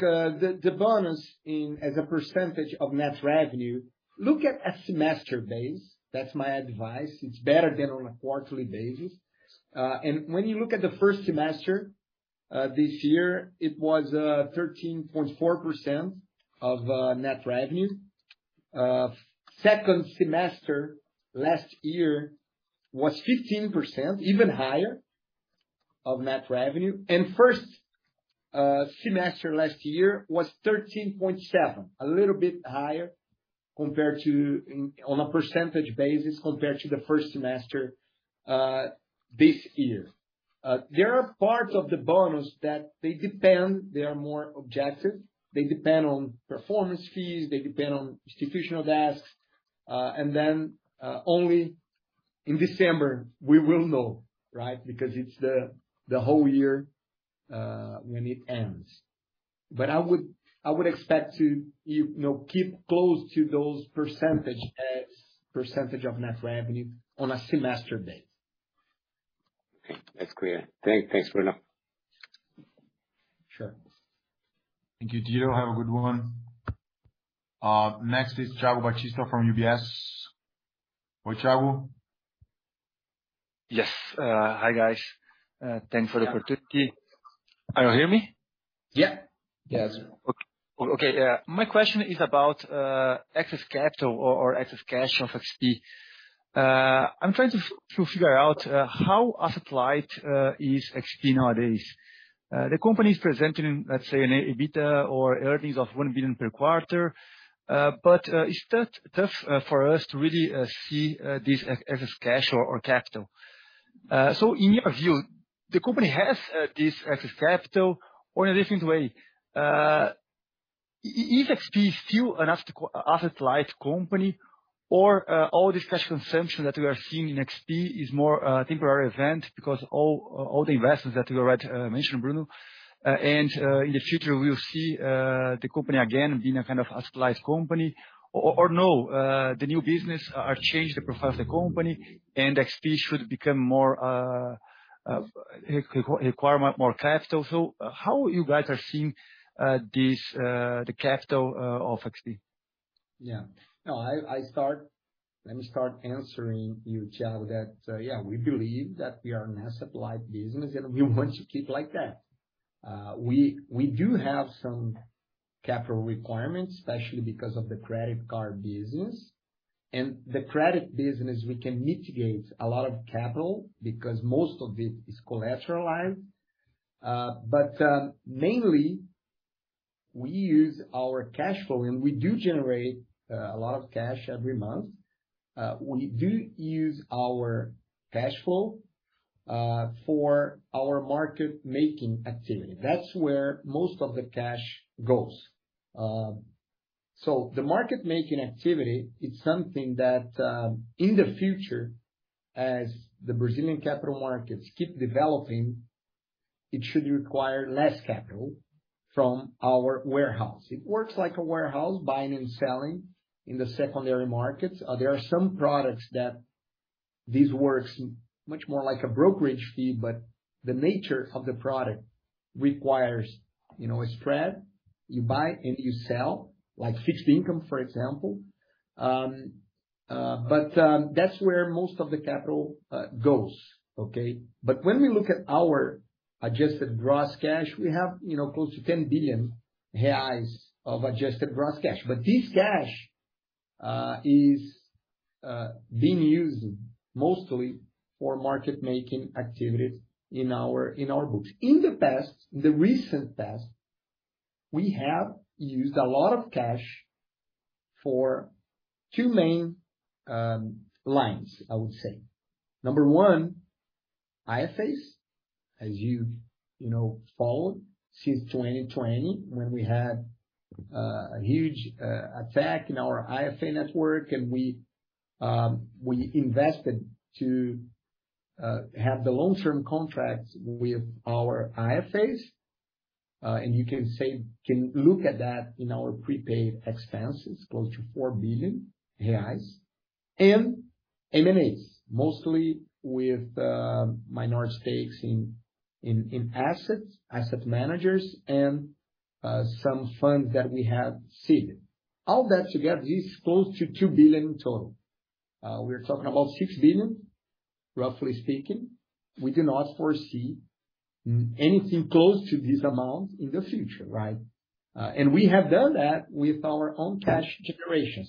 the bonus as a percentage of net revenue, look at a semester basis, that's my advice. It's better than on a quarterly basis. When you look at the first semester this year, it was 13.4% of net revenue. Second semester last year was 15%, even higher of net revenue. First semester last year was 13.7. A little bit higher compared to on a percentage basis compared to the first semester this year. There are parts of the bonus that they depend, they are more objective. They depend on performance fees, they depend on institutional desks. Only in December we will know, right? Because it's the whole year when it ends. I would expect you to, you know, keep close to those percentages as percentages of net revenue on a semester basis. Okay. That's clear. Thanks, Bruno. Sure. Thank you, Tito. Have a good one. Next is Thiago Batista from UBS. Hi, Thiago. Yes. Hi, guys. Thanks for the opportunity. Can you hear me? Yeah. Yes. Okay. Yeah. My question is about excess capital or excess cash of XP. I'm trying to figure out how asset light is XP nowadays. The company is presenting, let's say, an EBITDA or earnings of 1 billion per quarter. It's tough for us to really see this excess cash or capital. In your view, the company has this excess capital or in a different way. Is XP still an asset light company or all this cash consumption that we are seeing in XP is more temporary event because all the investments that you already mentioned, Bruno. In the future, we'll see the company again being a kind of asset light company or no, the new business are changing the profile of the company and XP should become more requiring more capital. How you guys are seeing this, the capital, of XP? Let me start answering you, Thiago, that, yeah, we believe that we are an asset light business, and we want to keep like that. We do have some capital requirements, especially because of the credit card business. The credit business, we can mitigate a lot of capital because most of it is collateralized. Mainly we use our cash flow, and we do generate a lot of cash every month. We do use our cash flow for our market making activity. That's where most of the cash goes. The market making activity, it's something that in the future, as the Brazilian capital markets keep developing, it should require less capital from our warehouse. It works like a warehouse, buying and selling in the secondary markets. There are some products that this works much more like a brokerage fee, but the nature of the product requires, you know, a spread, you buy and you sell, like fixed income, for example. That's where most of the capital goes. Okay. When we look at our adjusted gross cash, we have, you know, close to 10 billion reais of adjusted gross cash. This cash is being used mostly for market making activities in our books. In the past, in the recent past, we have used a lot of cash for two main lines, I would say. Number one, IFAs, as you know, followed since 2020 when we had a huge attack in our IFA network and we invested to have the long-term contracts with our IFAs. You can look at that in our prepaid expenses, close to 4 billion reais. M&As, mostly with minority stakes in assets, asset managers and some funds that we have seeded. All that together is close to 2 billion in total. We're talking about 6 billion, roughly speaking. We do not foresee many close to this amount in the future, right? We have done that with our own cash generation.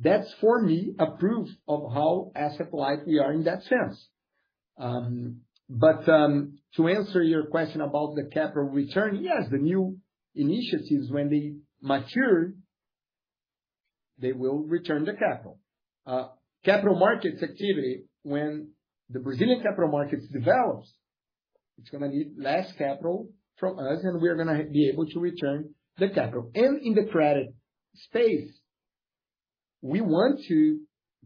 That's, for me, a proof of how asset light we are in that sense. To answer your question about the capital return, yes, the new initiatives, when they mature, they will return the capital. Capital markets activity, when the Brazilian capital markets develops, it's gonna need less capital from us, and we're gonna be able to return the capital. In the credit space, we want to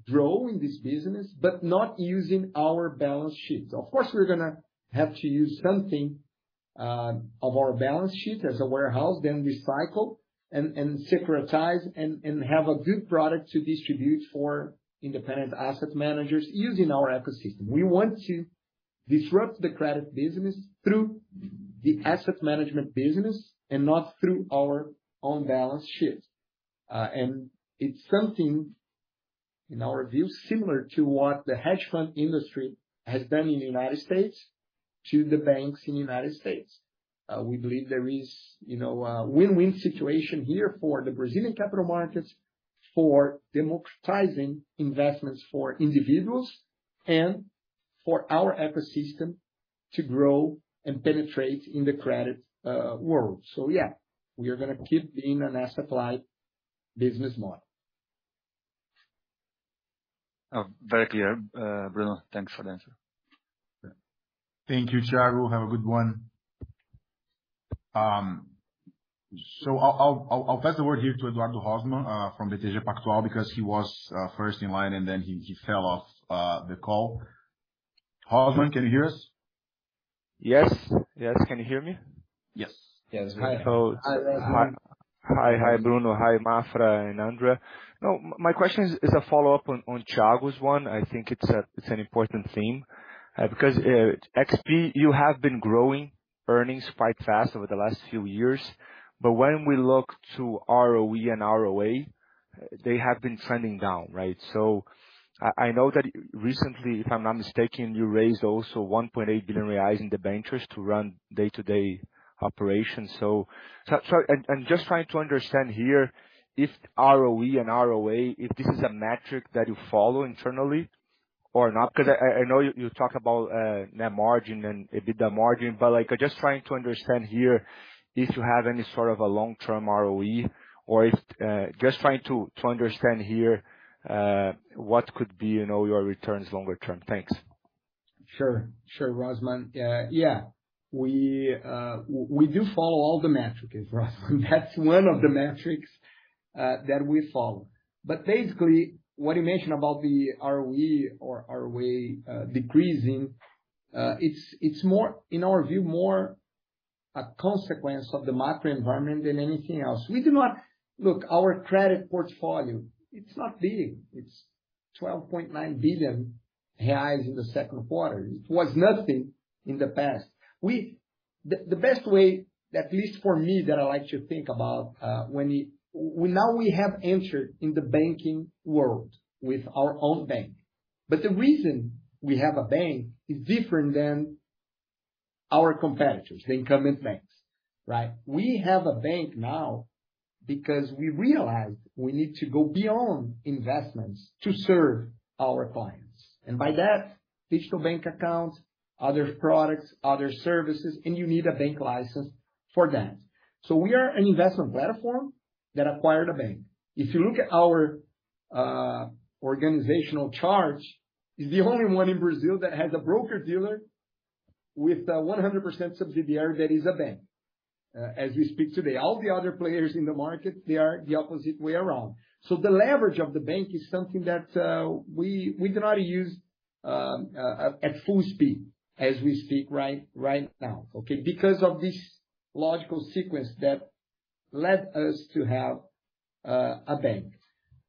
grow in this business, but not using our balance sheets. Of course, we're gonna have to use something of our balance sheet as a warehouse, then recycle and securitize and have a good product to distribute for independent asset managers using our ecosystem. We want to disrupt the credit business through the asset management business and not through our own balance sheet. It's something, in our view, similar to what the hedge fund industry has done in the United States to the banks in the United States. We believe there is, you know, a win-win situation here for the Brazilian capital markets, for democratizing investments for individuals and for our ecosystem to grow and penetrate in the credit world. Yeah, we are gonna keep being an asset-light business model. Oh, very clear, Bruno. Thanks for the answer. Thank you, Thiago. Have a good one. I'll pass the word here to Eduardo Rosman from the BTG Pactual, because he was first in line, and then he fell off the call. Rosman, can you hear us? Yes. Yes. Can you hear me? Yes. Yes. Hi, Bruno. Hi, Maffra and Andre. No, my question is a follow-up on Thiago's one. I think it's an important theme, because XP, you have been growing earnings quite fast over the last few years. When we look to ROE and ROA, they have been trending down, right? I know that recently, if I'm not mistaken, you raised also 1.8 billion reais in debentures to run day-to-day operations. Just trying to understand here if ROE and ROA, if this is a metric that you follow internally or not, 'cause I know you talk about net margin and EBITDA margin, but, like, I'm just trying to understand here if you have any sort of a long-term ROE or if just trying to understand here, what could be, you know, your returns longer term. Thanks. Sure. Sure, Rosman. We do follow all the metrics, Rosman. That's one of the metrics that we follow. Basically what you mentioned about the ROE or ROA decreasing, it's more, in our view, more a consequence of the macro environment than anything else. Look, our credit portfolio, it's not big. It's 12.9 billion reais in the second quarter. It was nothing in the past. The best way, at least for me, that I like to think about when we now have entered in the banking world with our own bank, but the reason we have a bank is different than our competitors, the incumbent banks, right? We have a bank now because we realized we need to go beyond investments to serve our clients. By that, digital bank accounts, other products, other services, and you need a bank license for that. We are an investment platform that acquired a bank. If you look at our organizational charts, it's the only one in Brazil that has a broker-dealer with a 100% subsidiary that is a bank, as we speak today. All the other players in the market, they are the opposite way around. The leverage of the bank is something that we do not use at full speed as we speak right now, okay? Because of this logical sequence that led us to have a bank.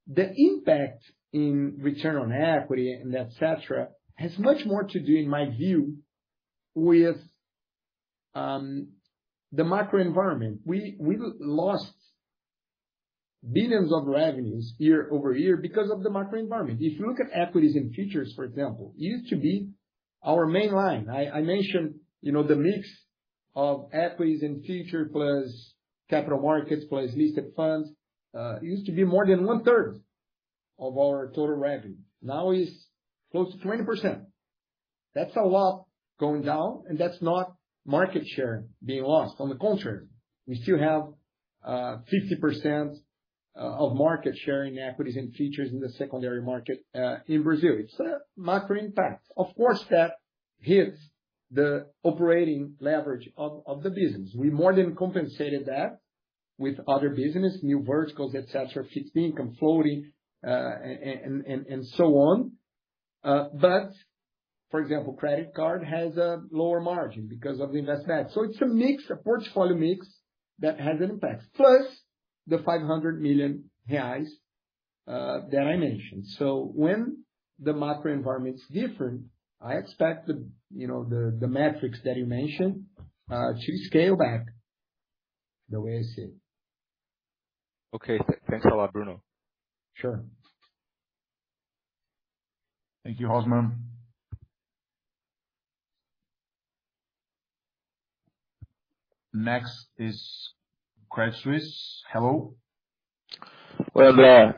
The impact in return on equity and et cetera has much more to do, in my view, with the macro environment. We lost billions of revenues year-over-year because of the macro environment. If you look at equities and futures, for example, used to be our main line. I mentioned, you know, the mix of equities and futures plus capital markets plus listed funds used to be more than 1/3 of our total revenue. Now it's close to 20%. That's a lot going down, and that's not market share being lost. On the contrary, we still have 50% of market share in equities and futures in the secondary market in Brazil. It's a macro impact. Of course, that hits the operating leverage of the business. We more than compensated that with other business, new verticals, et cetera, fixed income, floating, and so on. For example, credit card has a lower margin because of the investment. It's a mix, a portfolio mix that has an impact. Plus the 500 million reais that I mentioned. When the macro environment is different, I expect you know, the metrics that you mentioned to scale back the way I see it. Okay. Thanks a lot, Bruno. Sure. Thank you, Rosman. Next is Credit Suisse. Hello? Oi, André.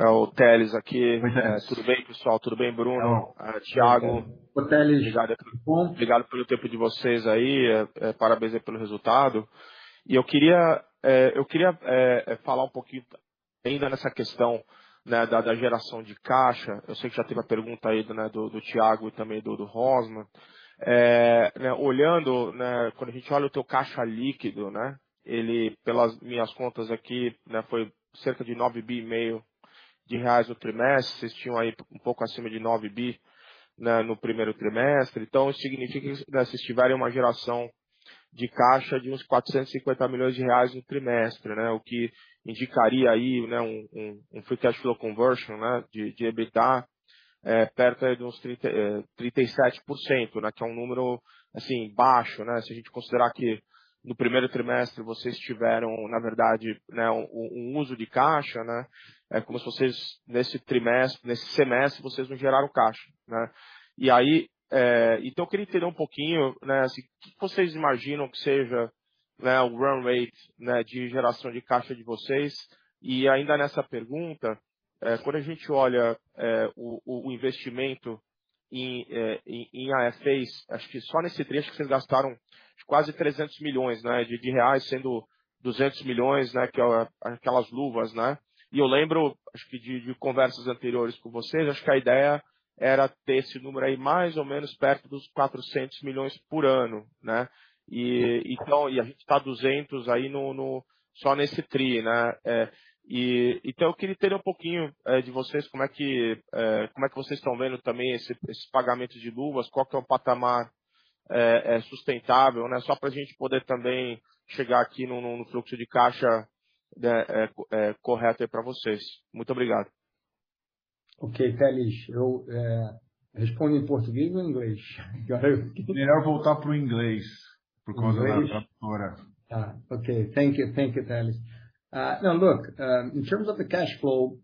É o Telles aqui. Tudo bem, pessoal? Tudo bem, Bruno? Thiago. Oi, Telles. Obrigado pelo tempo de vocês aí. Parabéns aí pelo resultado. Eu queria falar um pouquinho ainda nessa questão, né, da geração de caixa. Eu sei que já teve a pergunta aí, né, do Thiago e também do Rosman. Olhando, quando a gente olha o teu caixa líquido, ele, pelas minhas contas aqui, foi cerca de 9.5 billion reais no trimestre, cês tinham aí um pouco acima de 9 billion, né, no primeiro trimestre. Então isso significa que, cês tiveram uma geração de caixa de BRL 450 million no trimestre, né? O que indicaria aí, um free cash flow conversion de EBITDA perto aí de uns 37%, né, que é um número, assim, baixo, né? Se a gente considerar que no primeiro trimestre vocês tiveram, na verdade, né, um uso de caixa, né? É como se vocês nesse semestre, vocês não geraram caixa, né? Então eu queria entender um pouquinho, né, assim, o que que vocês imaginam que seja, né, o run rate, né, de geração de caixa de vocês. E ainda nessa pergunta, o investimento em IFAs, acho que só nesse tri acho que cês gastaram quase 300 million, né, de reais, sendo 200 million, né, que é aquelas luvas, né? E eu lembro, acho que de conversas anteriores com vocês, acho que a ideia era ter esse número aí mais ou menos perto dos 400 million por ano, né? E então e a gente tá 200 aí no só nesse tri, né? Eu queria entender um pouquinho de vocês como é que vocês tão vendo também esses pagamentos de luvas, qual que é o patamar sustentável, né? Só pra gente poder também chegar aqui no fluxo de caixa, né, correto aí pra vocês. Muito obrigado. Okay, Telles. Eu, respondo em português ou inglês? Melhor voltar pro inglês, por causa da gravadora. Okay. Thank you, Telles. Now look, in terms of the cash flow,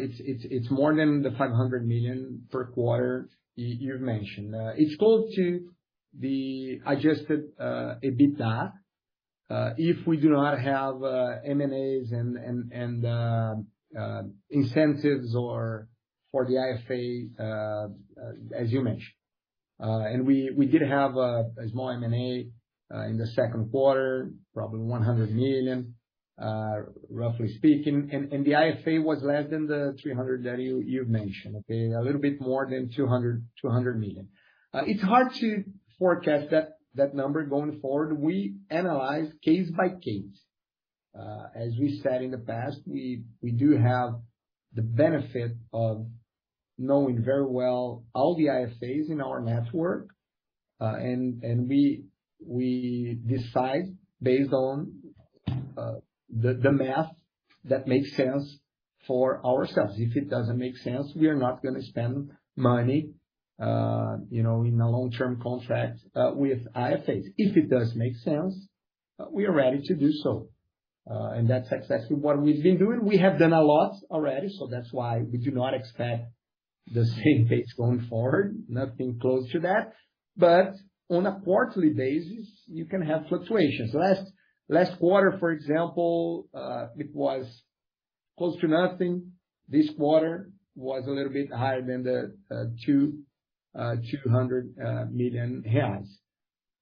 it's more than the 500 million per quarter you've mentioned. It's close to the adjusted EBITDA, if we do not have M&As and incentives for the IFA, as you mentioned. We did have a small M&A in the second quarter, probably 100 million, roughly speaking. The IFA was less than the 300 that you've mentioned, okay? A little bit more than 200 million. It's hard to forecast that number going forward. We analyze case by case. As we said in the past, we do have the benefit of knowing very well all the IFAs in our network. We decide based on the math that makes sense for ourselves. If it doesn't make sense, we are not gonna spend money, you know, in a long-term contract with IFAs. If it does make sense, we are ready to do so. That's exactly what we've been doing. We have done a lot already, so that's why we do not expect the same pace going forward. Nothing close to that. But on a quarterly basis, you can have fluctuations. Last quarter, for example, it was close to nothing. This quarter was a little bit higher than the 200 million reais.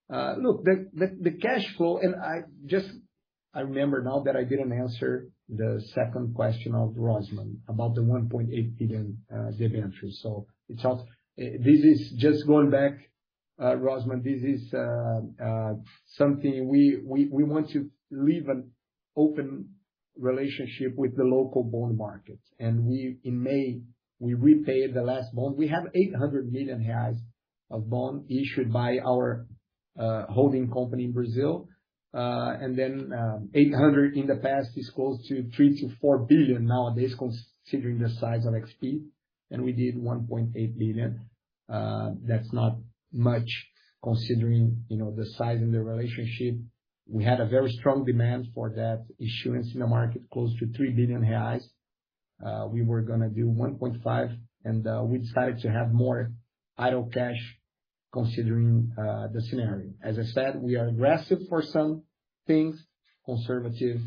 The cash flow and I remember now that I didn't answer the second question of Rosman about the 1.8 billion debentures. This is just going back, Rosman. This is something we want to leave an open relationship with the local bond market. In May, we repaid the last bond. We have 800 million reais of bond issued by our holding company in Brazil. And then, 800 in the past is close to three to four billion nowadays considering the size of XP, and we did 1.8 billion. That's not much considering, you know, the size and the relationship. We had a very strong demand for that issuance in the market, close to 3 billion reais. We were gonna do 1.5 billion and we decided to have more idle cash considering the scenario. As I said, we are aggressive for some things, conservative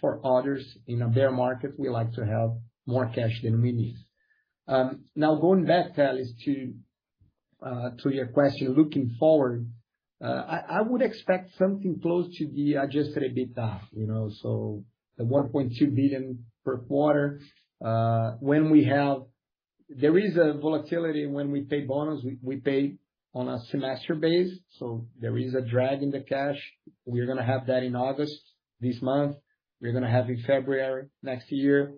for others. In a bear market, we like to have more cash than we need. Now going back, Telles, to your question, looking forward, I would expect something close to the adjusted EBITDA, you know. The 1.2 billion per quarter. When we pay bonuses, we pay on a semester basis, so there is a drag in the cash. We're gonna have that in August this month. We're gonna have that in February next year.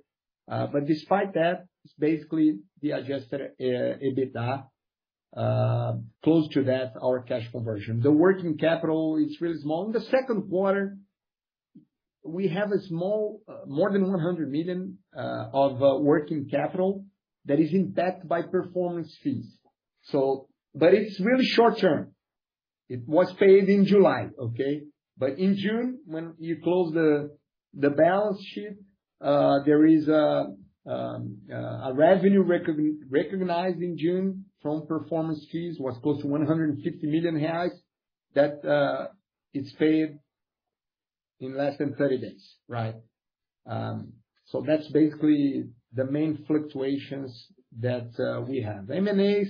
Despite that, it's basically the adjusted EBITDA close to that, our cash conversion. The working capital is really small. In the second quarter, we have a small more than 100 million of working capital that is impacted by performance fees. It's really short-term. It was paid in July, okay? In June, when you close the balance sheet, there is a revenue recognized in June from performance fees that was close to 150 million reais that is paid in less than 30 days, right? That's basically the main fluctuations that we have. M&As,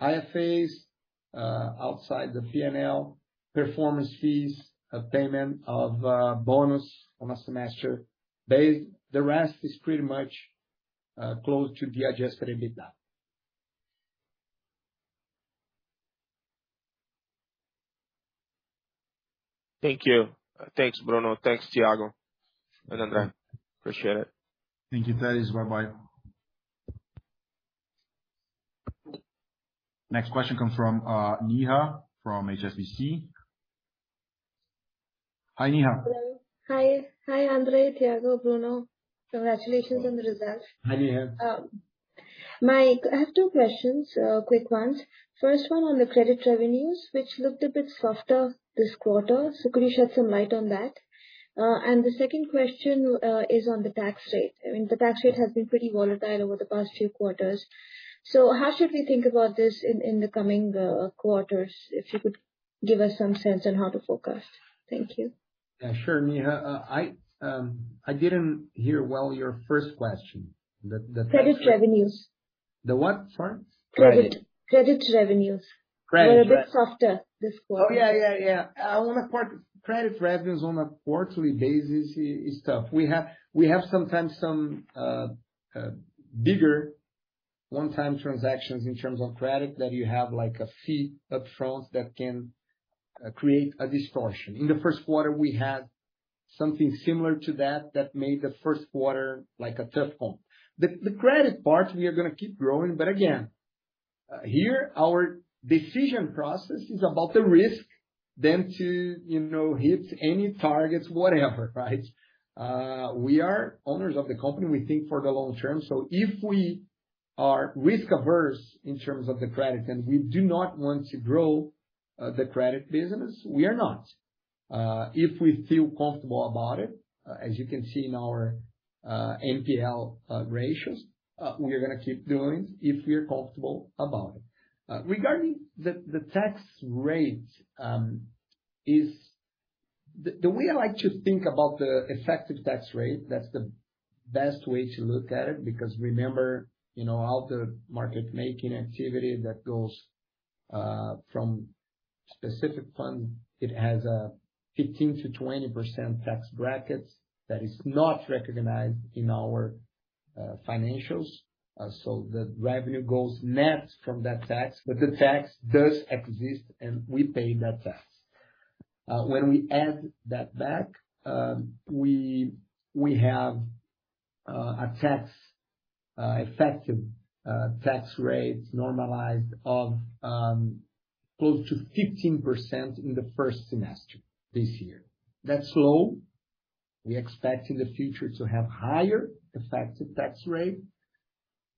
IFAs, outside the P&L, performance fees, a payment of bonus on a semester basis. The rest is pretty much close to the adjusted EBITDA. Thank you. Thanks, Bruno. Thanks, Thiago and André. Appreciate it. Thank you, Telles. Bye-bye. Next question comes from, Neha from HSBC. Hi, Neha. Hello. Hi. Hi André, Thiago, Bruno. Congratulations on the results. Hi, Neha. I have two questions, quick ones. First one on the credit revenues, which looked a bit softer this quarter. Could you shed some light on that? And the second question is on the tax rate. I mean, the tax rate has been pretty volatile over the past few quarters. How should we think about this in the coming quarters? If you could give us some sense on how to focus. Thank you. Yeah, sure, Neha. I didn't hear well your first question. Credit revenues. The what, sorry? Credit. Credit revenues. Credit re- Were a bit softer this quarter. Yeah. Credit revenues on a quarterly basis is tough. We have sometimes some bigger one-time transactions in terms of credit that you have, like a fee up front that can create a distortion. In the first quarter, we had something similar to that that made the first quarter like a tough call. The credit part, we are gonna keep growing, but again, here our decision process is about the risk rather than to, you know, hit any targets, whatever, right? We are owners of the company. We think for the long term. If we are risk averse in terms of the credit, then we do not want to grow the credit business. We are not. If we feel comfortable about it, as you can see in our NPL ratios, we are gonna keep doing it if we're comfortable about it. Regarding the tax rate, the way I like to think about the effective tax rate, that's the best way to look at it, because remember, you know, all the market-making activity that goes from specific funds, it has a 15%-20% tax bracket that is not recognized in our financials. So the revenue goes net from that tax, but the tax does exist, and we pay that tax. When we add that back, we have an effective tax rate normalized of close to 15% in the first semester this year. That's low. We expect in the future to have higher effective tax rate,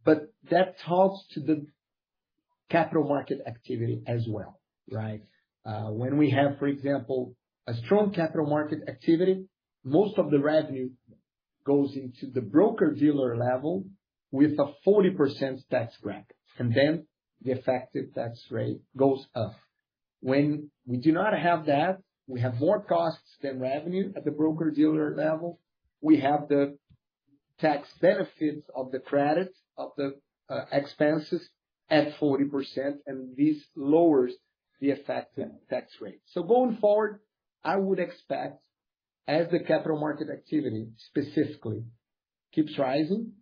but that talks to the capital market activity as well, right? When we have, for example, a strong capital market activity, most of the revenue goes into the broker-dealer level with a 40% tax bracket, and then the effective tax rate goes up. When we do not have that, we have more costs than revenue at the broker-dealer level. We have the tax benefits of the credit of the expenses at 40%, and this lowers the effective tax rate. Going forward, I would expect, as the capital market activity specifically keeps rising,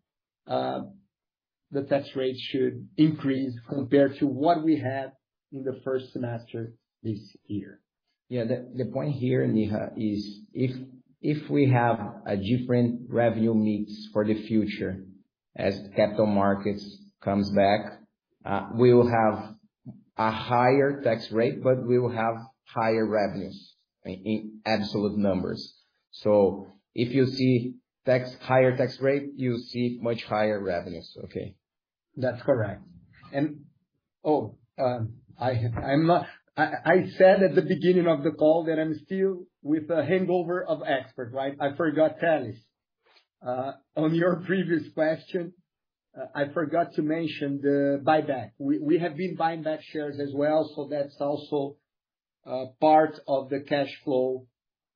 the tax rate should increase compared to what we had in the first semester this year. Yeah. The point here, Neha, is if we have a different revenue mix for the future as capital markets comes back, we will have a higher tax rate, but we will have higher revenues in absolute numbers. If you see tax, higher tax rate, you see much higher revenues. Okay. That's correct. Oh, I said at the beginning of the call that I'm still with a hangover of Expert, right? I forgot Telles. On your previous question, I forgot to mention the buyback. We have been buying back shares as well, so that's also part of the cash flow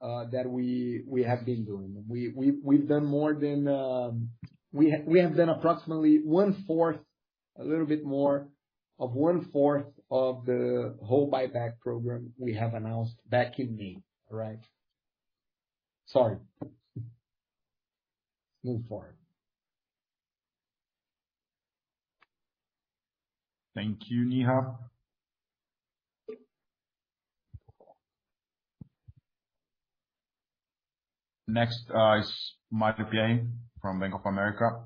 that we have been doing. We've done more than we have done approximately 1/4, a little bit more of 1/4 of the whole buyback program we have announced back in May, all right? Sorry. Move forward. Thank you, Neha. Next, is Mario Pierry from Bank of America.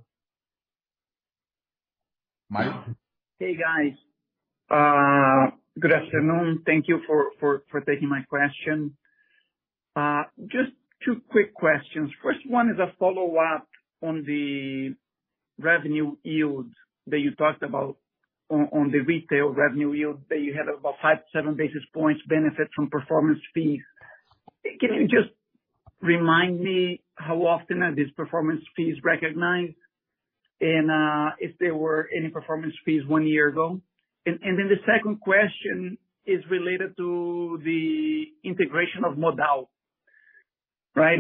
Mike. Hey, guys. Good afternoon. Thank you for taking my question. Just two quick questions. First one is a follow-up on the revenue yield that you talked about on the retail revenue yield that you had about five to seven basis points benefit from performance fees. Can you just remind me how often are these performance fees recognized and if there were any performance fees one year ago? Then the second question is related to the integration of Modal, right?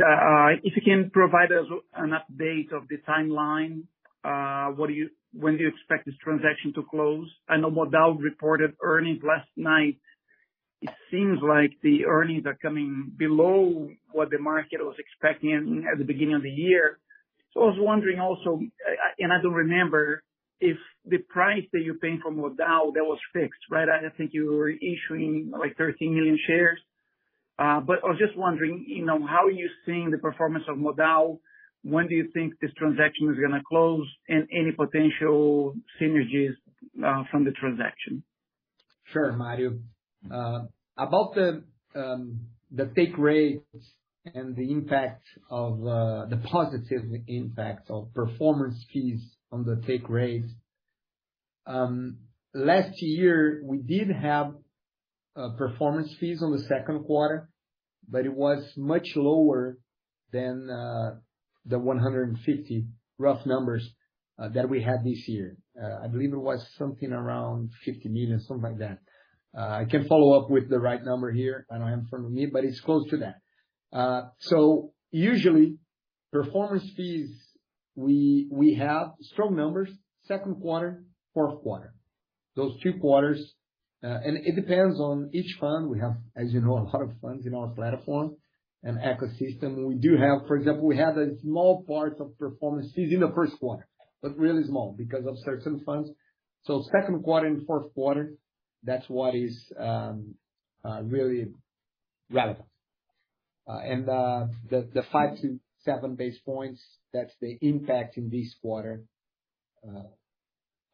If you can provide us an update of the timeline. When do you expect this transaction to close? I know Modal reported earnings last night. It seems like the earnings are coming below what the market was expecting at the beginning of the year. I was wondering also, and I don't remember if the price that you're paying for Modal that was fixed, right? I think you were issuing like 13 million shares. But I was just wondering, you know, how are you seeing the performance of Modal? When do you think this transaction is gonna close? Any potential synergies from the transaction? Sure, Mario. About the take rates and the impact of the positive impact of performance fees on the take rates. Last year, we did have performance fees on the second quarter, but it was much lower than the 150 rough numbers that we had this year. I believe it was something around 50 million, something like that. I can follow up with the right number here. I know I'm familiar, but it's close to that. Usually performance fees, we have strong numbers second quarter, fourth quarter. Those two quarters. It depends on each fund. We have, as you know, a lot of funds in our platform and ecosystem. We do have. For example, we have a small part of performance fees in the first quarter, but really small because of certain funds. Second quarter and fourth quarter, that's what is really relevant. The five to seven basis points, that's the impact in this quarter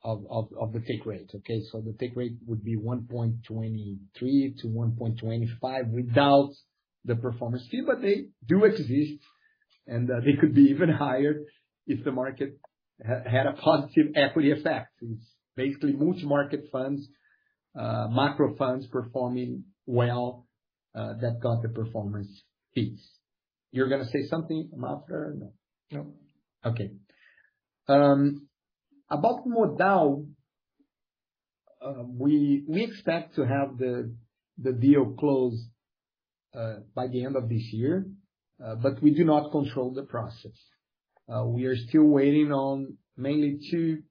of the take rate. Okay? The take rate would be 1.23%-1.25% without the performance fee. But they do exist, and they could be even higher if the market had a positive equity effect. It's basically multi-market funds, macro funds performing well, that got the performance fees. You're gonna say something, Maffra? No. No. Okay. About Modal, we expect to have the deal closed by the end of this year, but we do not control the process. We are still waiting on mainly two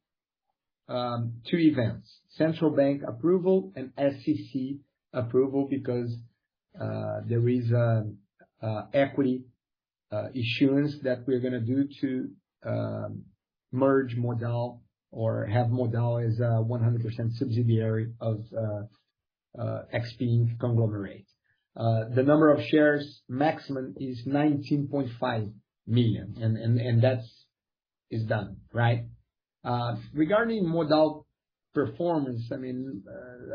events, central bank approval and SEC approval because there is equity issuance that we're gonna do to merge Modal or have Modal as a 100% subsidiary of XP Inc conglomerate. The number of shares maximum is 19.5 million, and that's done, right? Regarding Modal performance, I mean,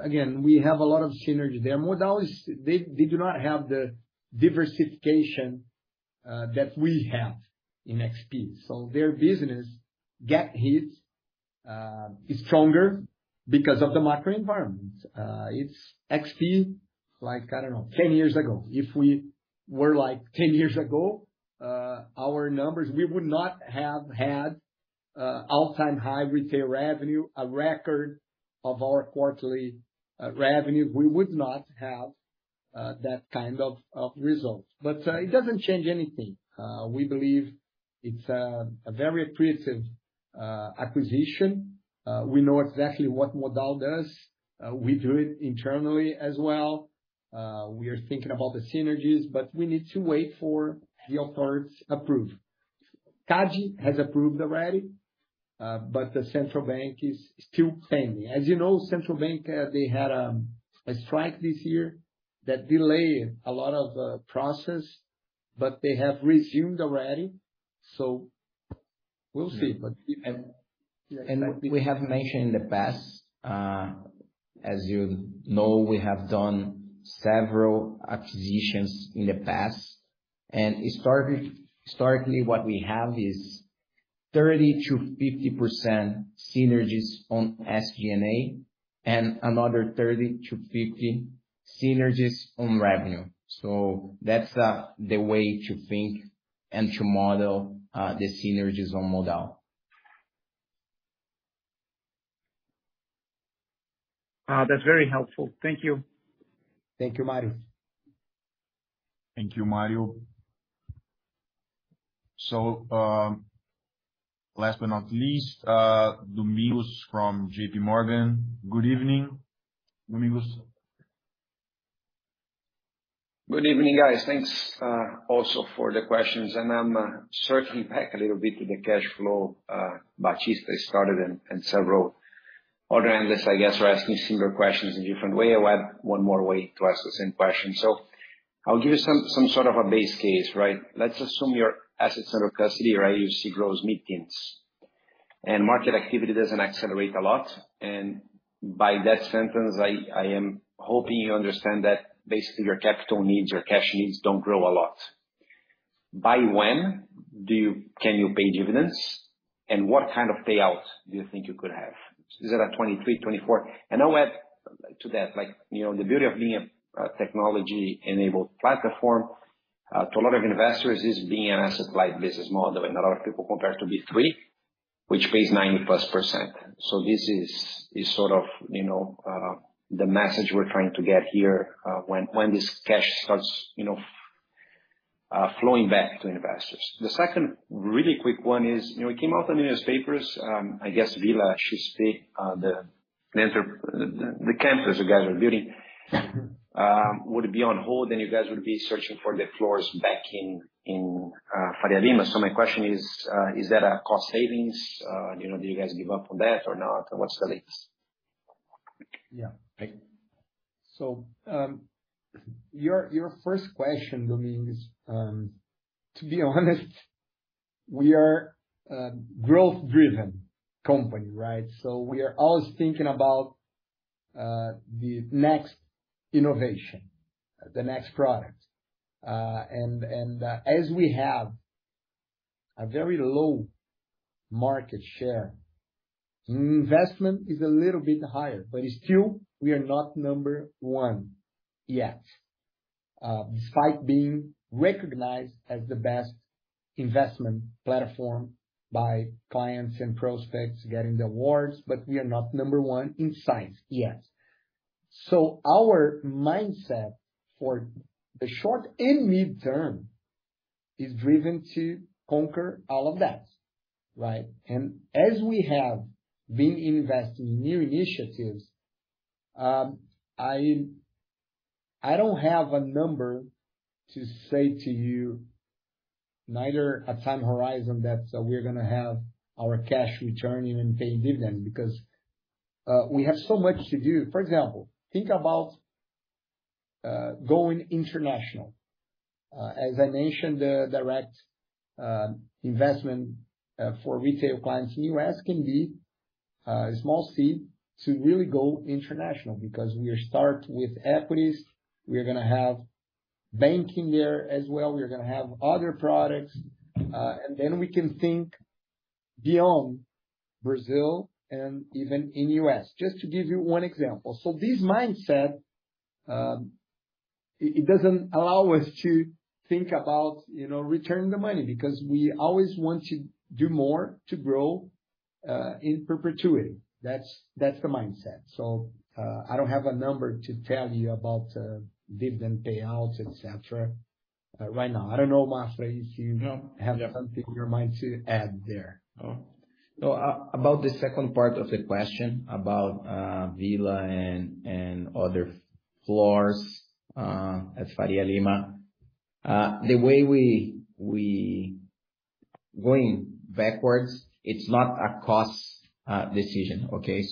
again, we have a lot of synergy there. Modal is. They do not have the diversification that we have in XP. So their business get hits stronger because of the macro environment. It's XP like, I don't know, 10 years ago. If we were like 10 years ago, our numbers, we would not have had all-time high retail revenue, a record of our quarterly revenue. We would not have that kind of results. It doesn't change anything. We believe it's a very attractive acquisition. We know exactly what Modal does. We do it internally as well. We are thinking about the synergies, but we need to wait for the authorities approve. CADE has approved already, but the central bank is still pending. As you know, central bank they had a strike this year that delayed a lot of process, but they have resumed already. We'll see. We have mentioned in the past, as you know, we have done several acquisitions in the past. Historically what we have is 30%-50% synergies on SG&A and another 30%-50% synergies on revenue. That's the way to think and to model the synergies on Modal. That's very helpful. Thank you. Thank you, Mario. Thank you, Mario. Last but not least, Domingos from J.P. Morgan. Good evening, Domingos. Good evening, guys. Thanks also for the questions. I'm circling back a little bit to the cash flow. Batista started and several other analysts, I guess, are asking similar questions in different way. I'll add one more way to ask the same question. I'll give you some sort of a base case, right? Let's assume your assets under custody, right, AUC grows mid-teens and market activity doesn't accelerate a lot. By that sentence, I am hoping you understand that basically your capital needs, your cash needs don't grow a lot. By when can you pay dividends, and what kind of payouts do you think you could have? Is it at 2023, 2024? I'll add to that, like, you know, the beauty of being a technology-enabled platform to a lot of investors is being an asset-light business model. A lot of people compare it to B3, which pays 90%+. This is sort of, you know, the message we're trying to get here when this cash starts, you know, flowing back to investors. The second really quick one is, you know, it came out in the newspapers, I guess Villa XP, the campus you guys are building- Would it be on hold and you guys would be searching for the floors back in Faria Lima. My question is that a cost savings? You know, do you guys give up on that or not? What's the latest? Your first question, Domingos, to be honest we are a growth-driven company, right? We are always thinking about the next innovation, the next product. As we have a very low market share, investment is a little bit higher, but still, we are not number one yet. Despite being recognized as the best investment platform by clients and prospects getting the awards, but we are not number one in size yet. Our mindset for the short and mid-term is driven to conquer all of that, right? As we have been investing in new initiatives, I don't have a number to say to you, neither a time horizon that we're gonna have our cash return even paying dividend because we have so much to do. For example, think about going international. As I mentioned, the direct investment for retail clients in U.S. can be a small seed to really go international because we start with equities, we are gonna have banking there as well. We are gonna have other products, and then we can think beyond Brazil and even in U.S., just to give you one example. This mindset, it doesn't allow us to think about, you know, returning the money because we always want to do more to grow in perpetuity. That's the mindset. I don't have a number to tell you about dividend payouts, et cetera, right now. I don't know, Thiago Maffra, if you- No. Yeah. Have something in your mind to add there. No. About the second part of the question about Villa and other floors at Faria Lima. Going backwards, it's not a cost decision, okay?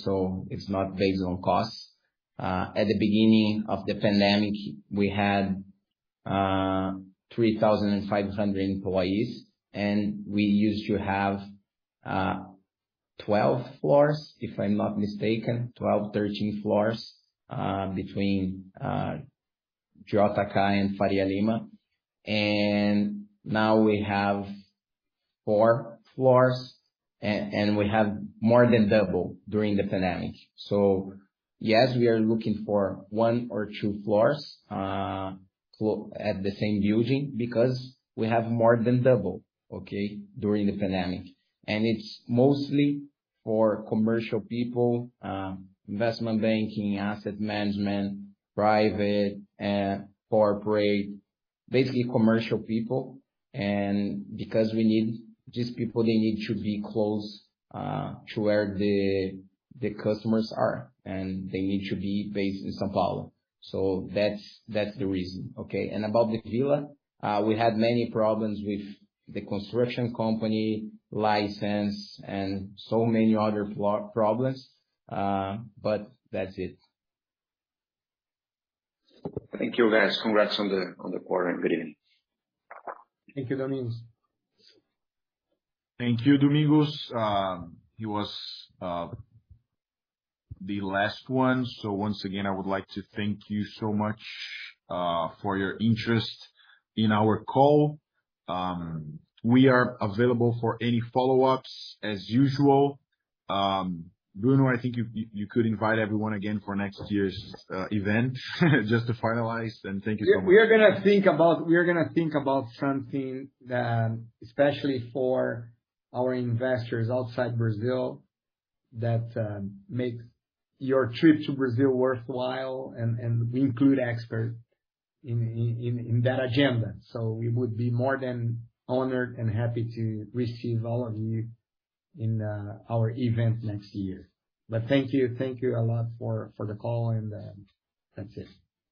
It's not based on costs. At the beginning of the pandemic, we had 3,500 employees, and we used to have 12 floors, if I'm not mistaken, 12, 13 floors between Juscelino Kubitschek and Faria Lima. Now we have four floors, and we have more than double during the pandemic. Yes, we are looking for one or two floors at the same building because we have more than double, okay, during the pandemic. It's mostly for commercial people, investment banking, asset management, private, corporate, basically commercial people. Because we need these people, they need to be close to where the customers are, and they need to be based in São Paulo. That's the reason, okay. About the Villa, we had many problems with the construction company, license and so many other problems, but that's it. Thank you, guys. Congrats on the quarter and good evening. Thank you, Domingos. Thank you, Domingos. He was the last one. Once again, I would like to thank you so much for your interest in our call. We are available for any follow-ups as usual. Bruno, I think you could invite everyone again for next year's event just to finalize. Thank you so much. We are gonna think about something especially for our investors outside Brazil that makes your trip to Brazil worthwhile and we include experts in that agenda. We would be more than honored and happy to receive all of you in our event next year. Thank you. Thank you a lot for the call and that's it.